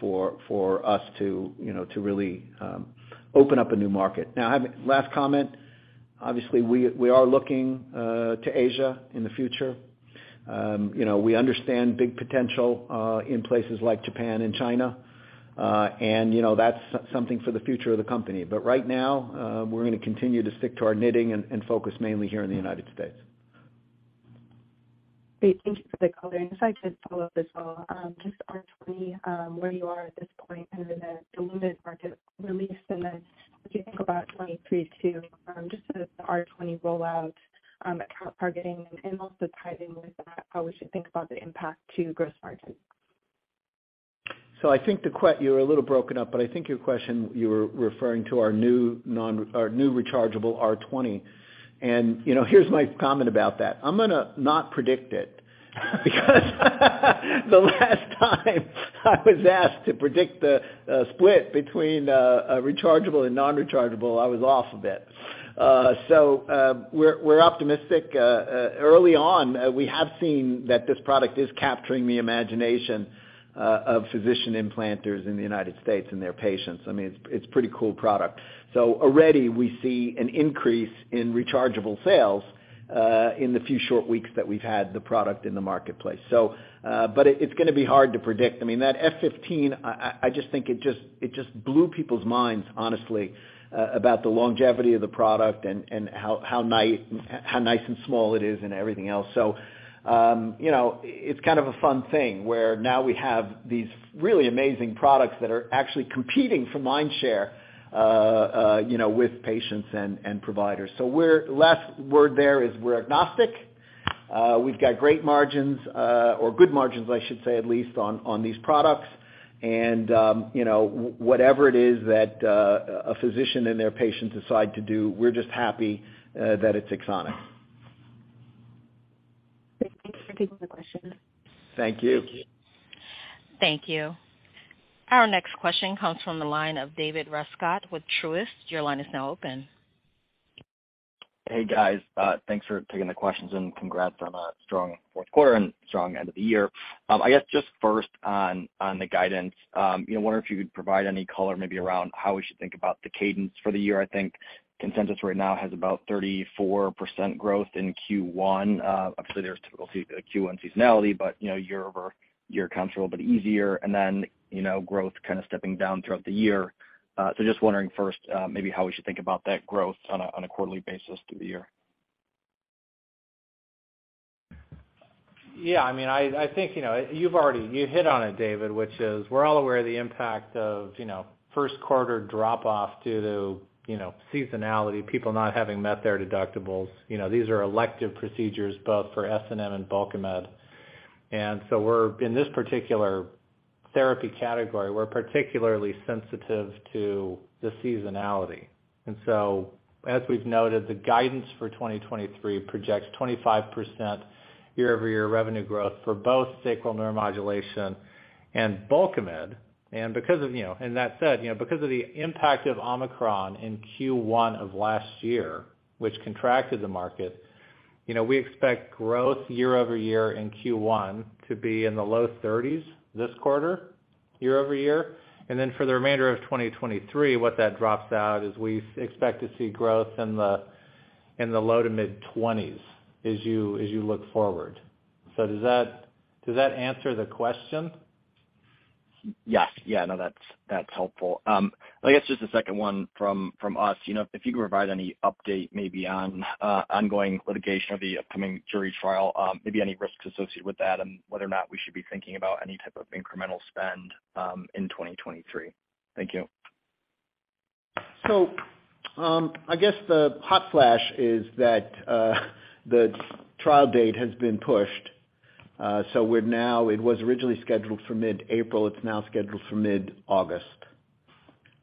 [SPEAKER 3] for us to, you know, to really open up a new market. I have last comment. Obviously we are looking to Asia in the future. You know, we understand big potential in places like Japan and China. You know, that's something for the future of the company. Right now, we're gonna continue to stick to our knitting and focus mainly here in the United States.
[SPEAKER 8] Great. Thank you for the color. If I could follow up as well, just R20, where you are at this point and then the diluted market release and then what do you think about 2023, just the R20 rollout, account targeting and also timing with that, how we should think about the impact to gross margin?
[SPEAKER 3] I think you were a little broken up, but I think your question you were referring to our new rechargeable R20. You know, here's my comment about that. I'm gonna not predict it because the last time I was asked to predict the split between a rechargeable and non-rechargeable, I was off a bit. We're optimistic. Early on, we have seen that this product is capturing the imagination of physician implanters in the United States and their patients. I mean, it's pretty cool product. Already we see an increase in rechargeable sales in the few short weeks that we've had the product in the marketplace. But it's gonna be hard to predict. I mean, that F15, I just think it just blew people's minds honestly, about the longevity of the product and how nice and small it is and everything else. You know, it's kind of a fun thing where now we have these really amazing products that are actually competing for mind share, you know, with patients and providers. We're last word there is we're agnostic. We've got great margins, or good margins I should say at least on these products. You know, whatever it is that a physician and their patients decide to do, we're just happy that it's Axonics.
[SPEAKER 8] Great. Thank you for taking the question.
[SPEAKER 3] Thank you.
[SPEAKER 4] Thank you.
[SPEAKER 1] Thank you. Our next question comes from the line of David Rescott with Truist. Your line is now open.
[SPEAKER 9] Hey guys, thanks for taking the questions and congrats on a strong fourth quarter and strong end of the year. I guess just first on the guidance. you know, wondering if you could provide any color maybe around how we should think about the cadence for the year. I think consensus right now has about 34% growth in Q1. Obviously there's typical Q1 seasonality, but you know, year-over-year comes a little bit easier and then, you know, growth kind of stepping down throughout the year. Just wondering first, maybe how we should think about that growth on a, on a quarterly basis through the year.
[SPEAKER 4] Yeah, I mean, I think, you know, you hit on it David, which is we're all aware of the impact of, you know, first quarter drop off due to, you know, seasonality, people not having met their deductibles. You know, these are elective procedures both for SNM and Bulkamid. We're in this particular therapy category, we're particularly sensitive to the seasonality. As we've noted, the guidance for 2023 projects 25% year-over-year revenue growth for both sacral neuromodulation and Bulkamid. Because of the impact of Omicron in Q1 of last year, which contracted the market, you know, we expect growth year-over-year in Q1 to be in the low 30s this quarter, year-over-year. For the remainder of 2023, what that drops out is we expect to see growth in the low to mid-20s as you look forward. Does that answer the question?
[SPEAKER 9] Yes. Yeah, no, that's helpful. I guess just the second one from us, you know. If you can provide any update maybe on ongoing litigation or the upcoming jury trial, maybe any risks associated with that and whether or not we should be thinking about any type of incremental spend in 2023. Thank you.
[SPEAKER 3] I guess the hot flash is that the trial date has been pushed. It was originally scheduled for mid-April. It's now scheduled for mid-August.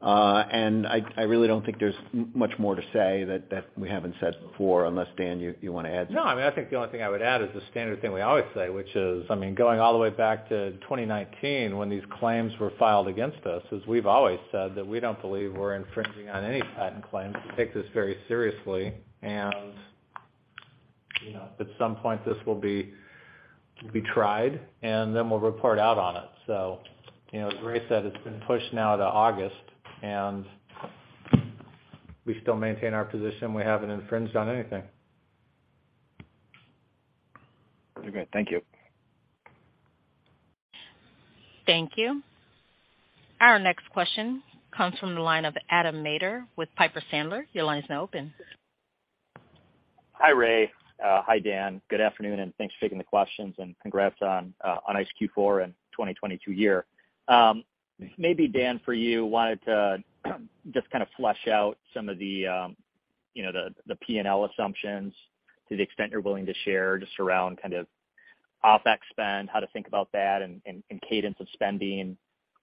[SPEAKER 3] I really don't think there's much more to say that we haven't said before, unless, Dan, you wanna add to that.
[SPEAKER 4] No, I mean, I think the only thing I would add is the standard thing we always say, which is, I mean, going all the way back to 2019 when these claims were filed against us, is we've always said that we don't believe we're infringing on any patent claims to take this very seriously. You know, at some point, this will be tried, and then we'll report out on it. You know, as Ray said, it's been pushed now to August, and we still maintain our position. We haven't infringed on anything.
[SPEAKER 9] Okay. Thank you.
[SPEAKER 1] Thank you. Our next question comes from the line of Adam Maeder with Piper Sandler. Your line is now open.
[SPEAKER 10] Hi, Ray. Hi, Dan. Good afternoon, thanks for taking the questions, and congrats on nice Q4 and 2022 year. Maybe Dan, for you, wanted to just kind of flesh out some of the, you know, the P&L assumptions to the extent you're willing to share just around kind of OpEx spend, how to think about that and cadence of spending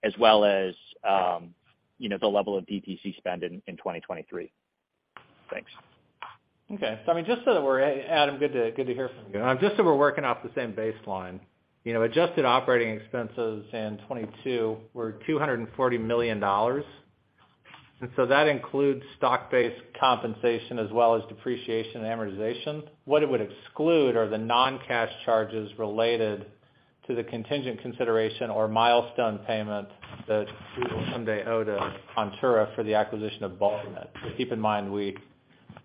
[SPEAKER 10] as well as, you know, the level of DTC spend in 2023. Thanks.
[SPEAKER 4] I mean, just so that we're Adam, good to hear from you. Just so we're working off the same baseline. You know, adjusted operating expenses in 2022 were $240 million. That includes stock-based compensation as well as depreciation and amortization. What it would exclude are the non-cash charges related to the contingent consideration or milestone payment that we will someday owe to Contura for the acquisition of Bulkamid. Keep in mind,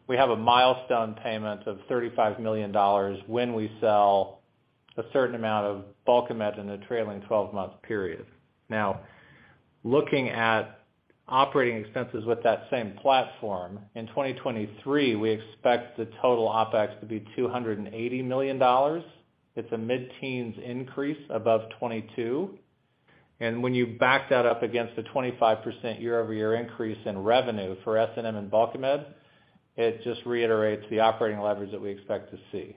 [SPEAKER 4] we have a milestone payment of $35 million when we sell a certain amount of Bulkamid in a trailing 12-month period. Looking at operating expenses with that same platform, in 2023, we expect the total OpEx to be $280 million. It's a mid-teens increase above 2022. When you back that up against a 25% year-over-year increase in revenue for SNM and Bulkamid, it just reiterates the operating leverage that we expect to see.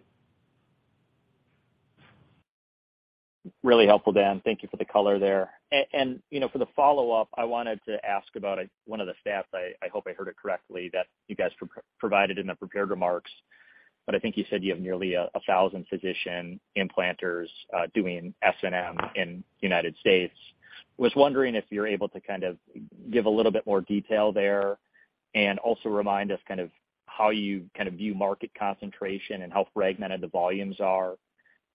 [SPEAKER 10] Really helpful, Dan. Thank you for the color there. You know, for the follow-up, I wanted to ask about one of the stats, I hope I heard it correctly, that you guys provided in the prepared remarks. I think you said you have nearly 1,000 physician implanters doing SNM in United States. Was wondering if you're able to kind of give a little bit more detail there, and also remind us kind of how you kind of view market concentration and how fragmented the volumes are.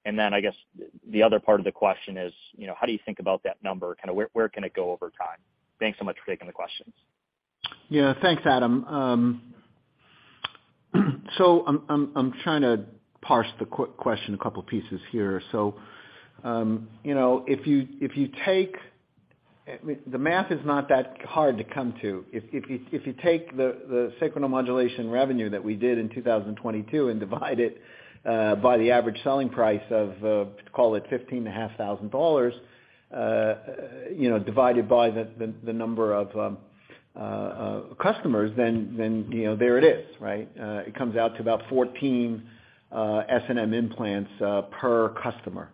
[SPEAKER 10] Then I guess the other part of the question is, you know, how do you think about that number? Kinda where can it go over time? Thanks so much for taking the questions.
[SPEAKER 3] Yeah. Thanks, Adam. I'm trying to parse the question a couple pieces here. You know, if you, if you take... I mean, the math is not that hard to come to. If you, if you take the sacral neuromodulation revenue that we did in 2022 and divide it by the average selling price of, call it $15,500, you know, divided by the number of customers, then, you know, there it is, right? It comes out to about 14 SNM implants per customer.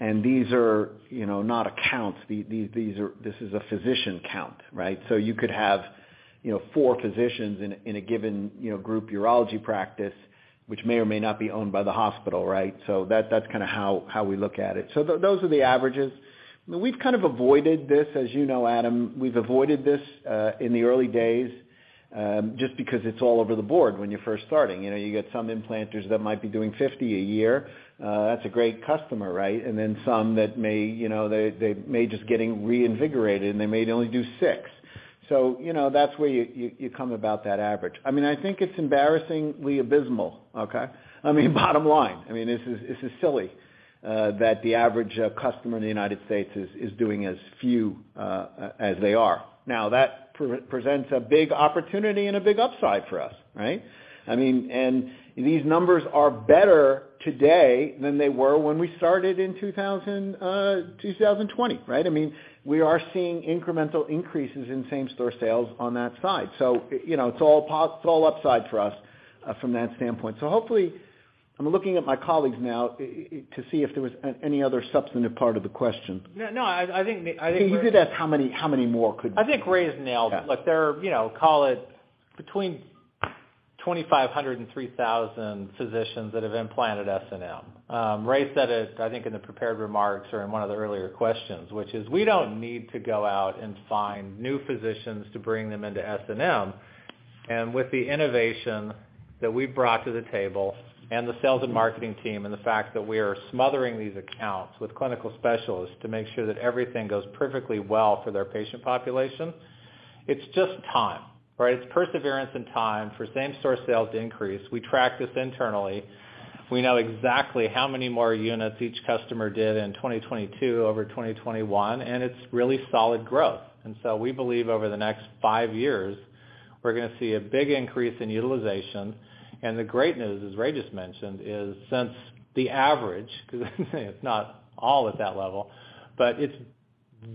[SPEAKER 3] These are, you know, not accounts. These are this is a physician count, right? You could have, you know, four physicians in a, in a given, you know, group urology practice, which may or may not be owned by the hospital, right? That, that's kinda how we look at it. Those are the averages. I mean, we've kind of avoided this, as you know, Adam. We've avoided this in the early days just because it's all over the board when you're first starting. You know, you get some implanters that might be doing 50 a year. That's a great customer, right? And then some that may, you know, they may just getting reinvigorated, and they may only do six. You know, that's where you come about that average. I mean, I think it's embarrassingly abysmal, okay. I mean, bottom line. I mean, this is silly that the average customer in the United States is doing as few as they are. That pre-presents a big opportunity and a big upside for us, right? I mean, these numbers are better today than they were when we started in 2020, right? I mean, we are seeing incremental increases in same store sales on that side. You know, it's all upside for us from that standpoint. I'm looking at my colleagues now to see if there was any other substantive part of the question.
[SPEAKER 4] No, I think...
[SPEAKER 3] You did ask how many more.
[SPEAKER 4] I think Ray has nailed it.
[SPEAKER 3] Yeah.
[SPEAKER 4] Look, there are, you know, call it between 2,500 and 3,000 physicians that have implanted SNM. Ray said it, I think in the prepared remarks or in one of the earlier questions, which is we don't need to go out and find new physicians to bring them into SNM. With the innovation that we've brought to the table and the sales and marketing team and the fact that we are smothering these accounts with clinical specialists to make sure that everything goes perfectly well for their patient population, it's just time, right? It's perseverance and time for same-store sales to increase. We track this internally. We know exactly how many more units each customer did in 2022 over 2021, and it's really solid growth. We believe over the next five years, we're gonna see a big increase in utilization. The great news, as Ray just mentioned, is since the average, 'cause it's not all at that level, but it's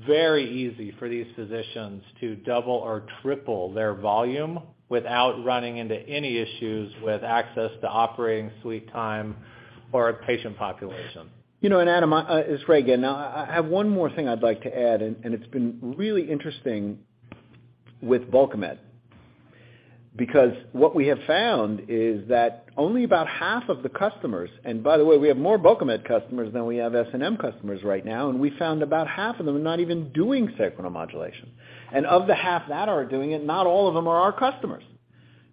[SPEAKER 4] very easy for these physicians to double or triple their volume without running into any issues with access to operating suite time or patient population.
[SPEAKER 3] You know, Adam, it's Ray again. I have one more thing I'd like to add, and it's been really interesting with Bulkamid. What we have found is that only about half of the customers, and by the way, we have more Bulkamid customers than we have SNM customers right now, we found about half of them are not even doing sacral neuromodulation. Of the half that are doing it, not all of them are our customers,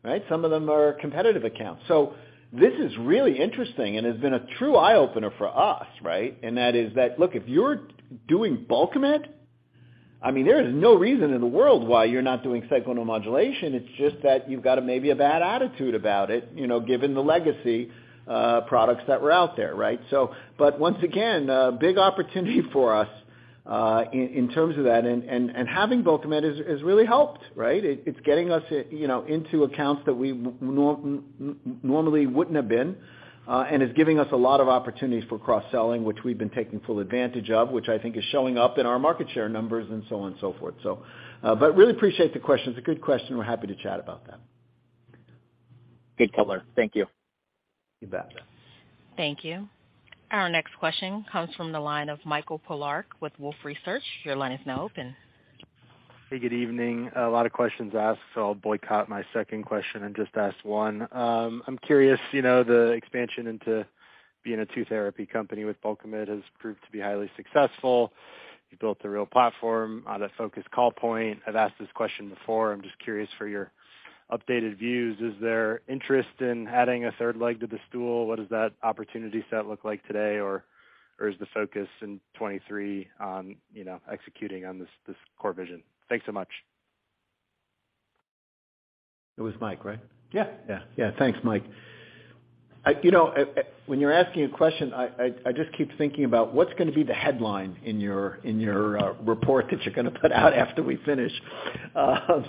[SPEAKER 3] right? Some of them are competitive accounts. This is really interesting and has been a true eye-opener for us, right? That is that, look, if you're doing Bulkamid, I mean, there is no reason in the world why you're not doing sacral neuromodulation. It's just that you've got a maybe a bad attitude about it, you know, given the legacy products that were out there, right? But once again, a big opportunity for us in terms of that. Having Bulkamid has really helped, right? It's getting us, you know, into accounts that we normally wouldn't have been, and it's giving us a lot of opportunities for cross-selling, which we've been taking full advantage of, which I think is showing up in our market share numbers and so on and so forth. But really appreciate the question. It's a good question. We're happy to chat about that.
[SPEAKER 10] Good color. Thank you.
[SPEAKER 3] You bet.
[SPEAKER 1] Thank you. Our next question comes from the line of Michael Polark with Wolfe Research. Your line is now open.
[SPEAKER 11] Hey, good evening. A lot of questions asked, so I'll boycott my second question and just ask one. I'm curious, you know, the expansion into being a two-therapy company with Bulkamid has proved to be highly successful. You built a real platform, lot of focus, call point. I've asked this question before. I'm just curious for your updated views. Is there interest in adding a third leg to the stool? What does that opportunity set look like today? Is the focus in 2023 on, you know, executing on this core vision? Thanks so much.
[SPEAKER 3] It was Mike, right?
[SPEAKER 4] Yeah.
[SPEAKER 3] Yeah. Yeah. Thanks, Mike. I you know, when you're asking a question, I just keep thinking about what's gonna be the headline in your report that you're gonna put out after we finish. In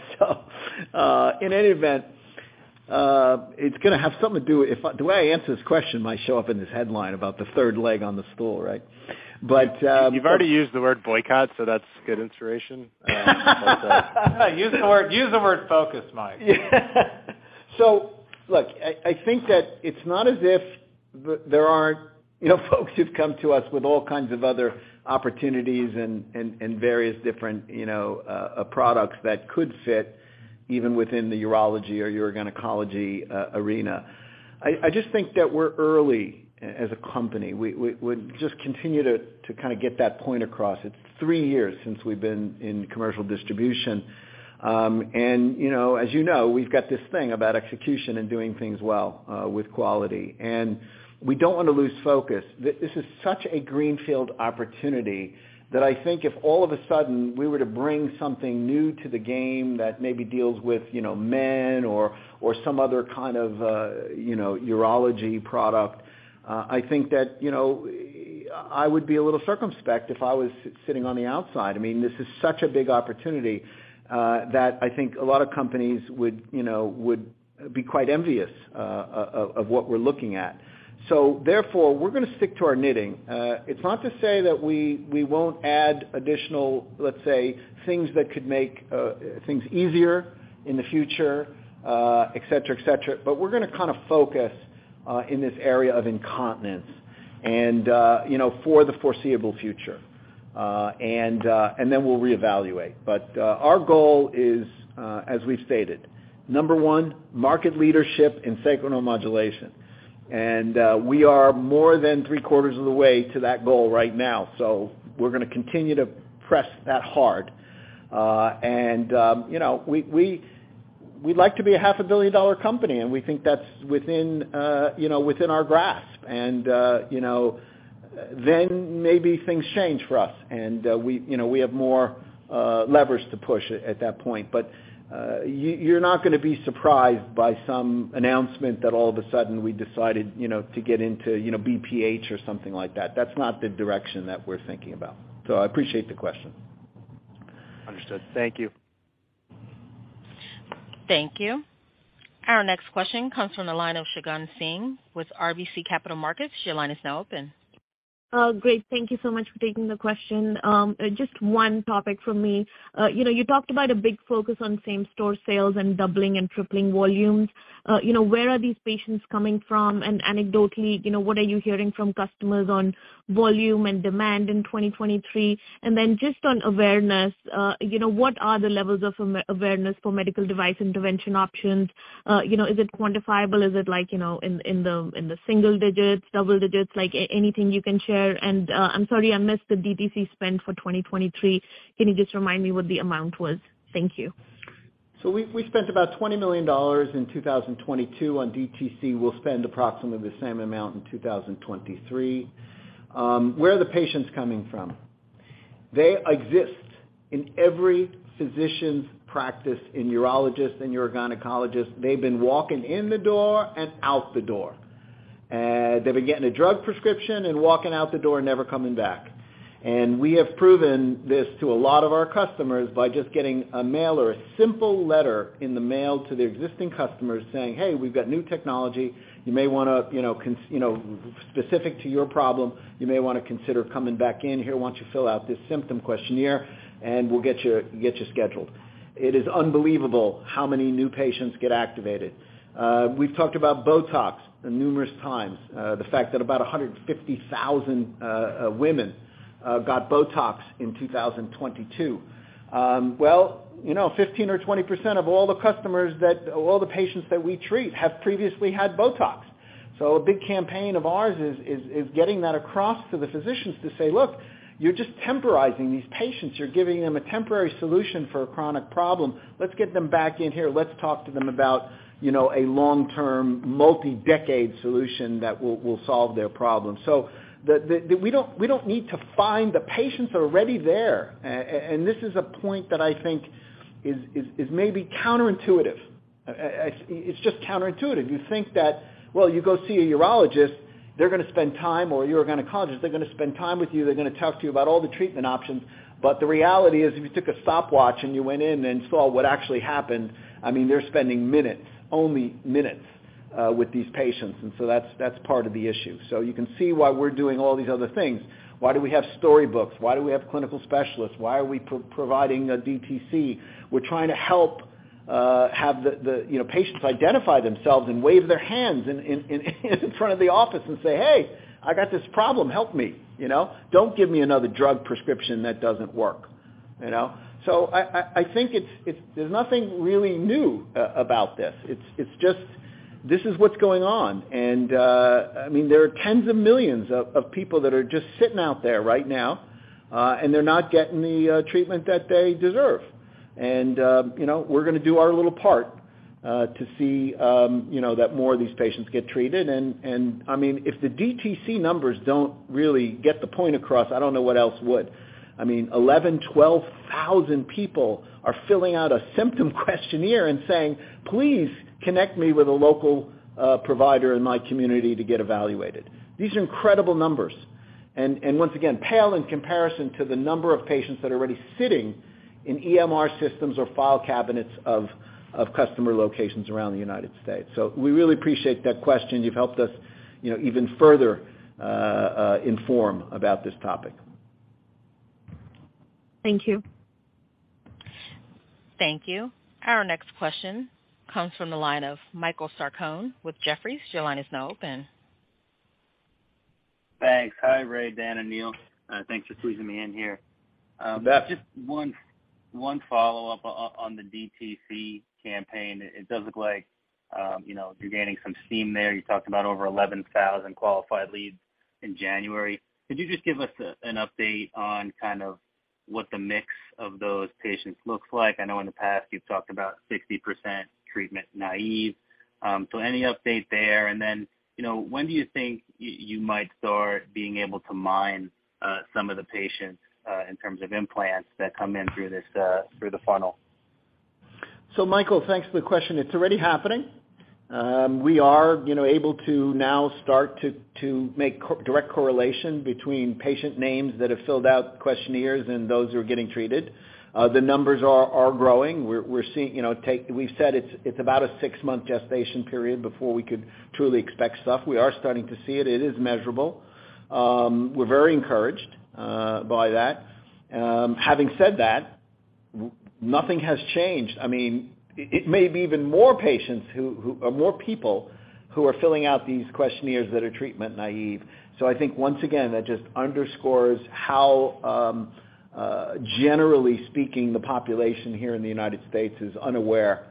[SPEAKER 3] any event, it's gonna have something to do with... If the way I answer this question might show up in this headline about the third leg on the stool, right? But.
[SPEAKER 11] You've already used the word boycott, so that's good inspiration.
[SPEAKER 4] Use the word focus, Mike.
[SPEAKER 3] Look, I think that it's not as if there aren't, you know, folks who've come to us with all kinds of other opportunities and, and various different, you know, products that could fit even within the urology or urogynecology, arena. I just think that we're early as a company. We just continue to kinda get that point across. It's three years since we've been in commercial distribution. And, you know, as you know, we've got this thing about execution and doing things well, with quality. We don't wanna lose focus. This is such a greenfield opportunity that I think if all of a sudden we were to bring something new to the game that maybe deals with, you know, men or some other kind of a, you know, urology product, I think that, you know, I would be a little circumspect if I was sitting on the outside. I mean, this is such a big opportunity, that I think a lot of companies would, you know, would be quite envious, of what we're looking at. Therefore, we're gonna stick to our knitting. It's not to say that we won't add additional, let's say, things that could make things easier in the future, et cetera, et cetera. But we're gonna kinda focus in this area of incontinence and, you know, for the foreseeable future. We'll reevaluate. Our goal is, as we've stated, number 1, market leadership in sacral neuromodulation. We are more than three-quarters of the way to that goal right now, so we're gonna continue to press that hard. You know, we'd like to be a half a billion-dollar company, and we think that's within, you know, within our grasp. You know, then maybe things change for us and we, you know, we have more levers to push at that point. You're not gonna be surprised by some announcement that all of a sudden we decided, you know, to get into, you know, BPH or something like that. That's not the direction that we're thinking about. I appreciate the question.
[SPEAKER 11] Understood. Thank you.
[SPEAKER 1] Thank you. Our next question comes from the line of Shagun Singh with RBC Capital Markets. Your line is now open.
[SPEAKER 12] Great. Thank you so much for taking the question. Just one topic from me. You know, you talked about a big focus on same-store sales and doubling and tripling volumes. You know, where are these patients coming from? Anecdotally, you know, what are you hearing from customers on volume and demand in 2023? Just on awareness, you know, what are the levels of awareness for medical device intervention options? You know, is it quantifiable? Is it like, you know, in the single digits, double digits? Like anything you can share. I'm sorry, I missed the DTC spend for 2023. Can you just remind me what the amount was? Thank you.
[SPEAKER 3] We spent about $20 million in 2022 on DTC. We'll spend approximately the same amount in 2023. Where are the patients coming from? They exist in every physician's practice, in urologists and urogynecologists. They've been walking in the door and out the door. They've been getting a drug prescription and walking out the door and never coming back. We have proven this to a lot of our customers by just getting a mail or a simple letter in the mail to their existing customers saying, "Hey, we've got new technology. You may wanna, you know, specific to your problem, you may wanna consider coming back in here. Why don't you fill out this symptom questionnaire, and we'll get you scheduled." It is unbelievable how many new patients get activated. We've talked about Botox numerous times, the fact that about 150,000 women got Botox in 2022. Well, you know, 15% or 20% of all the customers that, all the patients that we treat have previously had Botox. A big campaign of ours is getting that across to the physicians to say, "Look, you're just temporizing these patients. You're giving them a temporary solution for a chronic problem. Let's get them back in here. Let's talk to them about, you know, a long-term, multi-decade solution that will solve their problem." We don't need to find, the patients are already there. This is a point that I think is maybe counterintuitive. It's just counterintuitive. You think that, well, you go see a urologist, they're gonna spend time, or a urogynecologist, they're gonna spend time with you, they're gonna talk to you about all the treatment options. The reality is, if you took a stopwatch and you went in and saw what actually happened, I mean, they're spending minutes, only minutes, with these patients. That's part of the issue. You can see why we're doing all these other things. Why do we have storybooks? Why do we have clinical specialists? Why are we providing a DTC? We're trying to help have the, you know, patients identify themselves and wave their hands in front of the office and say, "Hey, I got this problem. Help me," you know? "Don't give me another drug prescription that doesn't work." You know? I think it's. There's nothing really new about this. It's just this is what's going on. I mean, there are tens of millions of people that are just sitting out there right now, and they're not getting the treatment that they deserve. You know, we're gonna do our little part to see, you know, that more of these patients get treated. I mean, if the DTC numbers don't really get the point across, I don't know what else would. I mean, 11,000-12,000 people are filling out a symptom questionnaire and saying, "Please connect me with a local, provider in my community to get evaluated." These are incredible numbers and, once again, pale in comparison to the number of patients that are already sitting in EMR systems or file cabinets of, customer locations around the United States. We really appreciate that question. You've helped us, you know, even further, inform about this topic.
[SPEAKER 12] Thank you.
[SPEAKER 1] Thank you. Our next question comes from the line of Michael Sarcone with Jefferies. Your line is now open.
[SPEAKER 13] Thanks. Hi, Ray, Dan, and Neil. Thanks for squeezing me in here.
[SPEAKER 3] You bet.
[SPEAKER 13] Just one follow-up on the DTC campaign. It does look like, you know, you're gaining some steam there. You talked about over 11,000 qualified leads in January. Could you just give us an update on kind of what the mix of those patients looks like? I know in the past you've talked about 60% treatment naive. Any update there? You know, when do you think you might start being able to mine some of the patients in terms of implants that come in through this through the funnel?
[SPEAKER 3] Michael, thanks for the question. It's already happening. We are, you know, able to now start to make direct correlation between patient names that have filled out questionnaires and those who are getting treated. The numbers are growing. We're seeing... You know, we've said it's about a six-month gestation period before we could truly expect stuff. We are starting to see it. It is measurable. We're very encouraged by that. Having said that, nothing has changed. I mean, it may be even more patients or more people who are filling out these questionnaires that are treatment naive. I think, once again, that just underscores how, generally speaking, the population here in the United States is unaware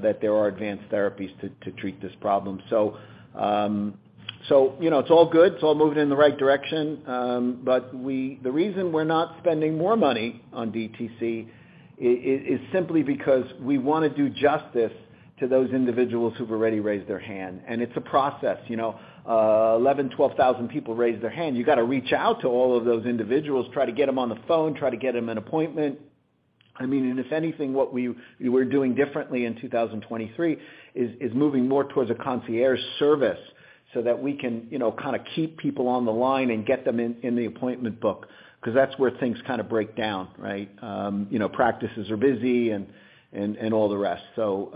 [SPEAKER 3] that there are advanced therapies to treat this problem. You know, it's all good. It's all moving in the right direction. The reason we're not spending more money on DTC is simply because we wanna do justice to those individuals who've already raised their hand. It's a process, you know. 11,000-12,000 people raised their hand. You gotta reach out to all of those individuals, try to get them on the phone, try to get them an appointment. I mean, if anything, what we're doing differently in 2023 is moving more towards a concierge service so that we can, you know, kind of keep people on the line and get them in the appointment book, 'cause that's where things kinda break down, right? you know, practices are busy and all the rest. You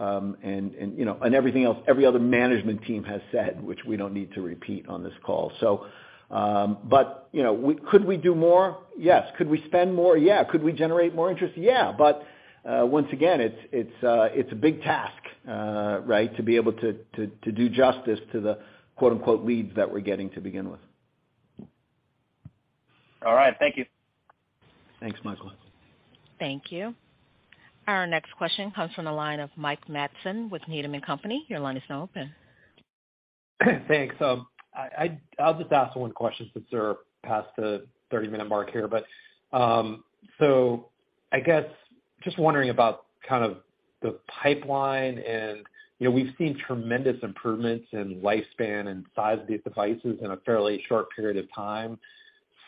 [SPEAKER 3] know, and everything else every other management team has said, which we don't need to repeat on this call. You know, could we do more? Yes. Could we spend more? Yeah. Could we generate more interest? Yeah. Once again, it's a big task, right, to be able to do justice to the quote-unquote "leads" that we're getting to begin with.
[SPEAKER 13] All right. Thank you.
[SPEAKER 3] Thanks, Michael.
[SPEAKER 1] Thank you. Our next question comes from the line of Mike Matson with Needham & Company. Your line is now open.
[SPEAKER 14] Thanks. I'll just ask one question since we're past the 30-minute mark here. I guess just wondering about kind of the pipeline and, you know, we've seen tremendous improvements in lifespan and size of these devices in a fairly short period of time.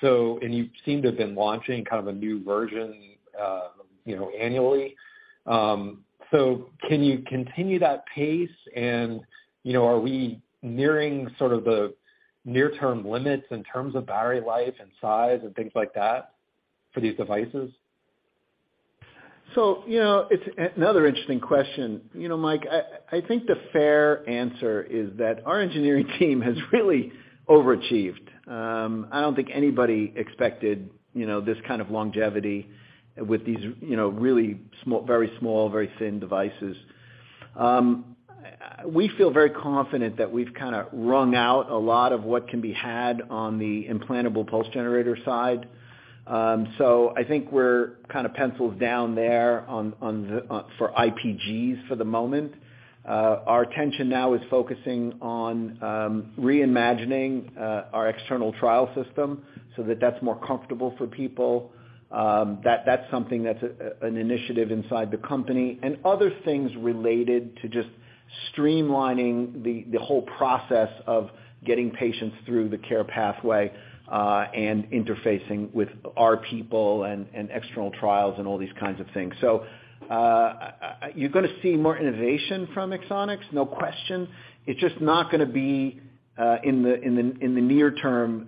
[SPEAKER 14] You seem to have been launching kind of a new version, you know, annually. Can you continue that pace? You know, are we nearing sort of the near-term limits in terms of battery life and size and things like that for these devices?
[SPEAKER 3] You know, it's another interesting question. You know, Mike, I think the fair answer is that our engineering team has really overachieved. I don't think anybody expected, you know, this kind of longevity with these, you know, really small, very small, very thin devices. We feel very confident that we've kind of wrung out a lot of what can be had on the implantable pulse generator side. I think we're kind of pencils down there on the for IPGs for the moment. Our attention now is focusing on reimagining our external trial system so that that's more comfortable for people. That, that's something that's an initiative inside the company and other things related to just streamlining the whole process of getting patients through the care pathway, and interfacing with our people and external trials and all these kinds of things. You're gonna see more innovation from Axonics, no question. It's just not gonna be in the near term,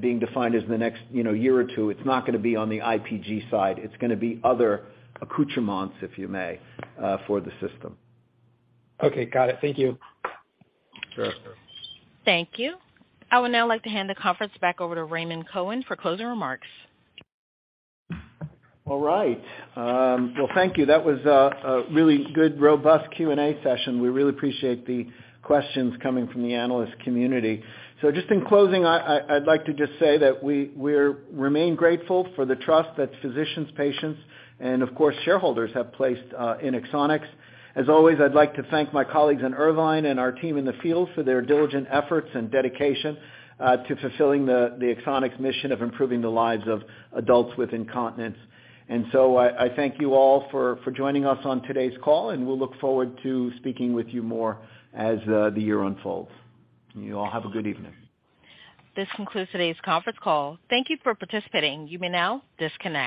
[SPEAKER 3] being defined as the next, you know, year or two. It's not gonna be on the IPG side. It's gonna be other accoutrements, if you may, for the system.
[SPEAKER 14] Okay, got it. Thank you.
[SPEAKER 3] Sure.
[SPEAKER 1] Thank you. I would now like to hand the conference back over to Raymond Cohen for closing remarks.
[SPEAKER 3] All right. Well, thank you. That was a really good, robust Q&A session. We really appreciate the questions coming from the analyst community. Just in closing, I'd like to just say that we remain grateful for the trust that physicians, patients, and of course, shareholders have placed in Axonics. As always, I'd like to thank my colleagues in Irvine and our team in the field for their diligent efforts and dedication to fulfilling the Axonics mission of improving the lives of adults with incontinence. I thank you all for joining us on today's call, and we'll look forward to speaking with you more as the year unfolds. You all have a good evening.
[SPEAKER 1] This concludes today's conference call. Thank you for participating. You may now disconnect.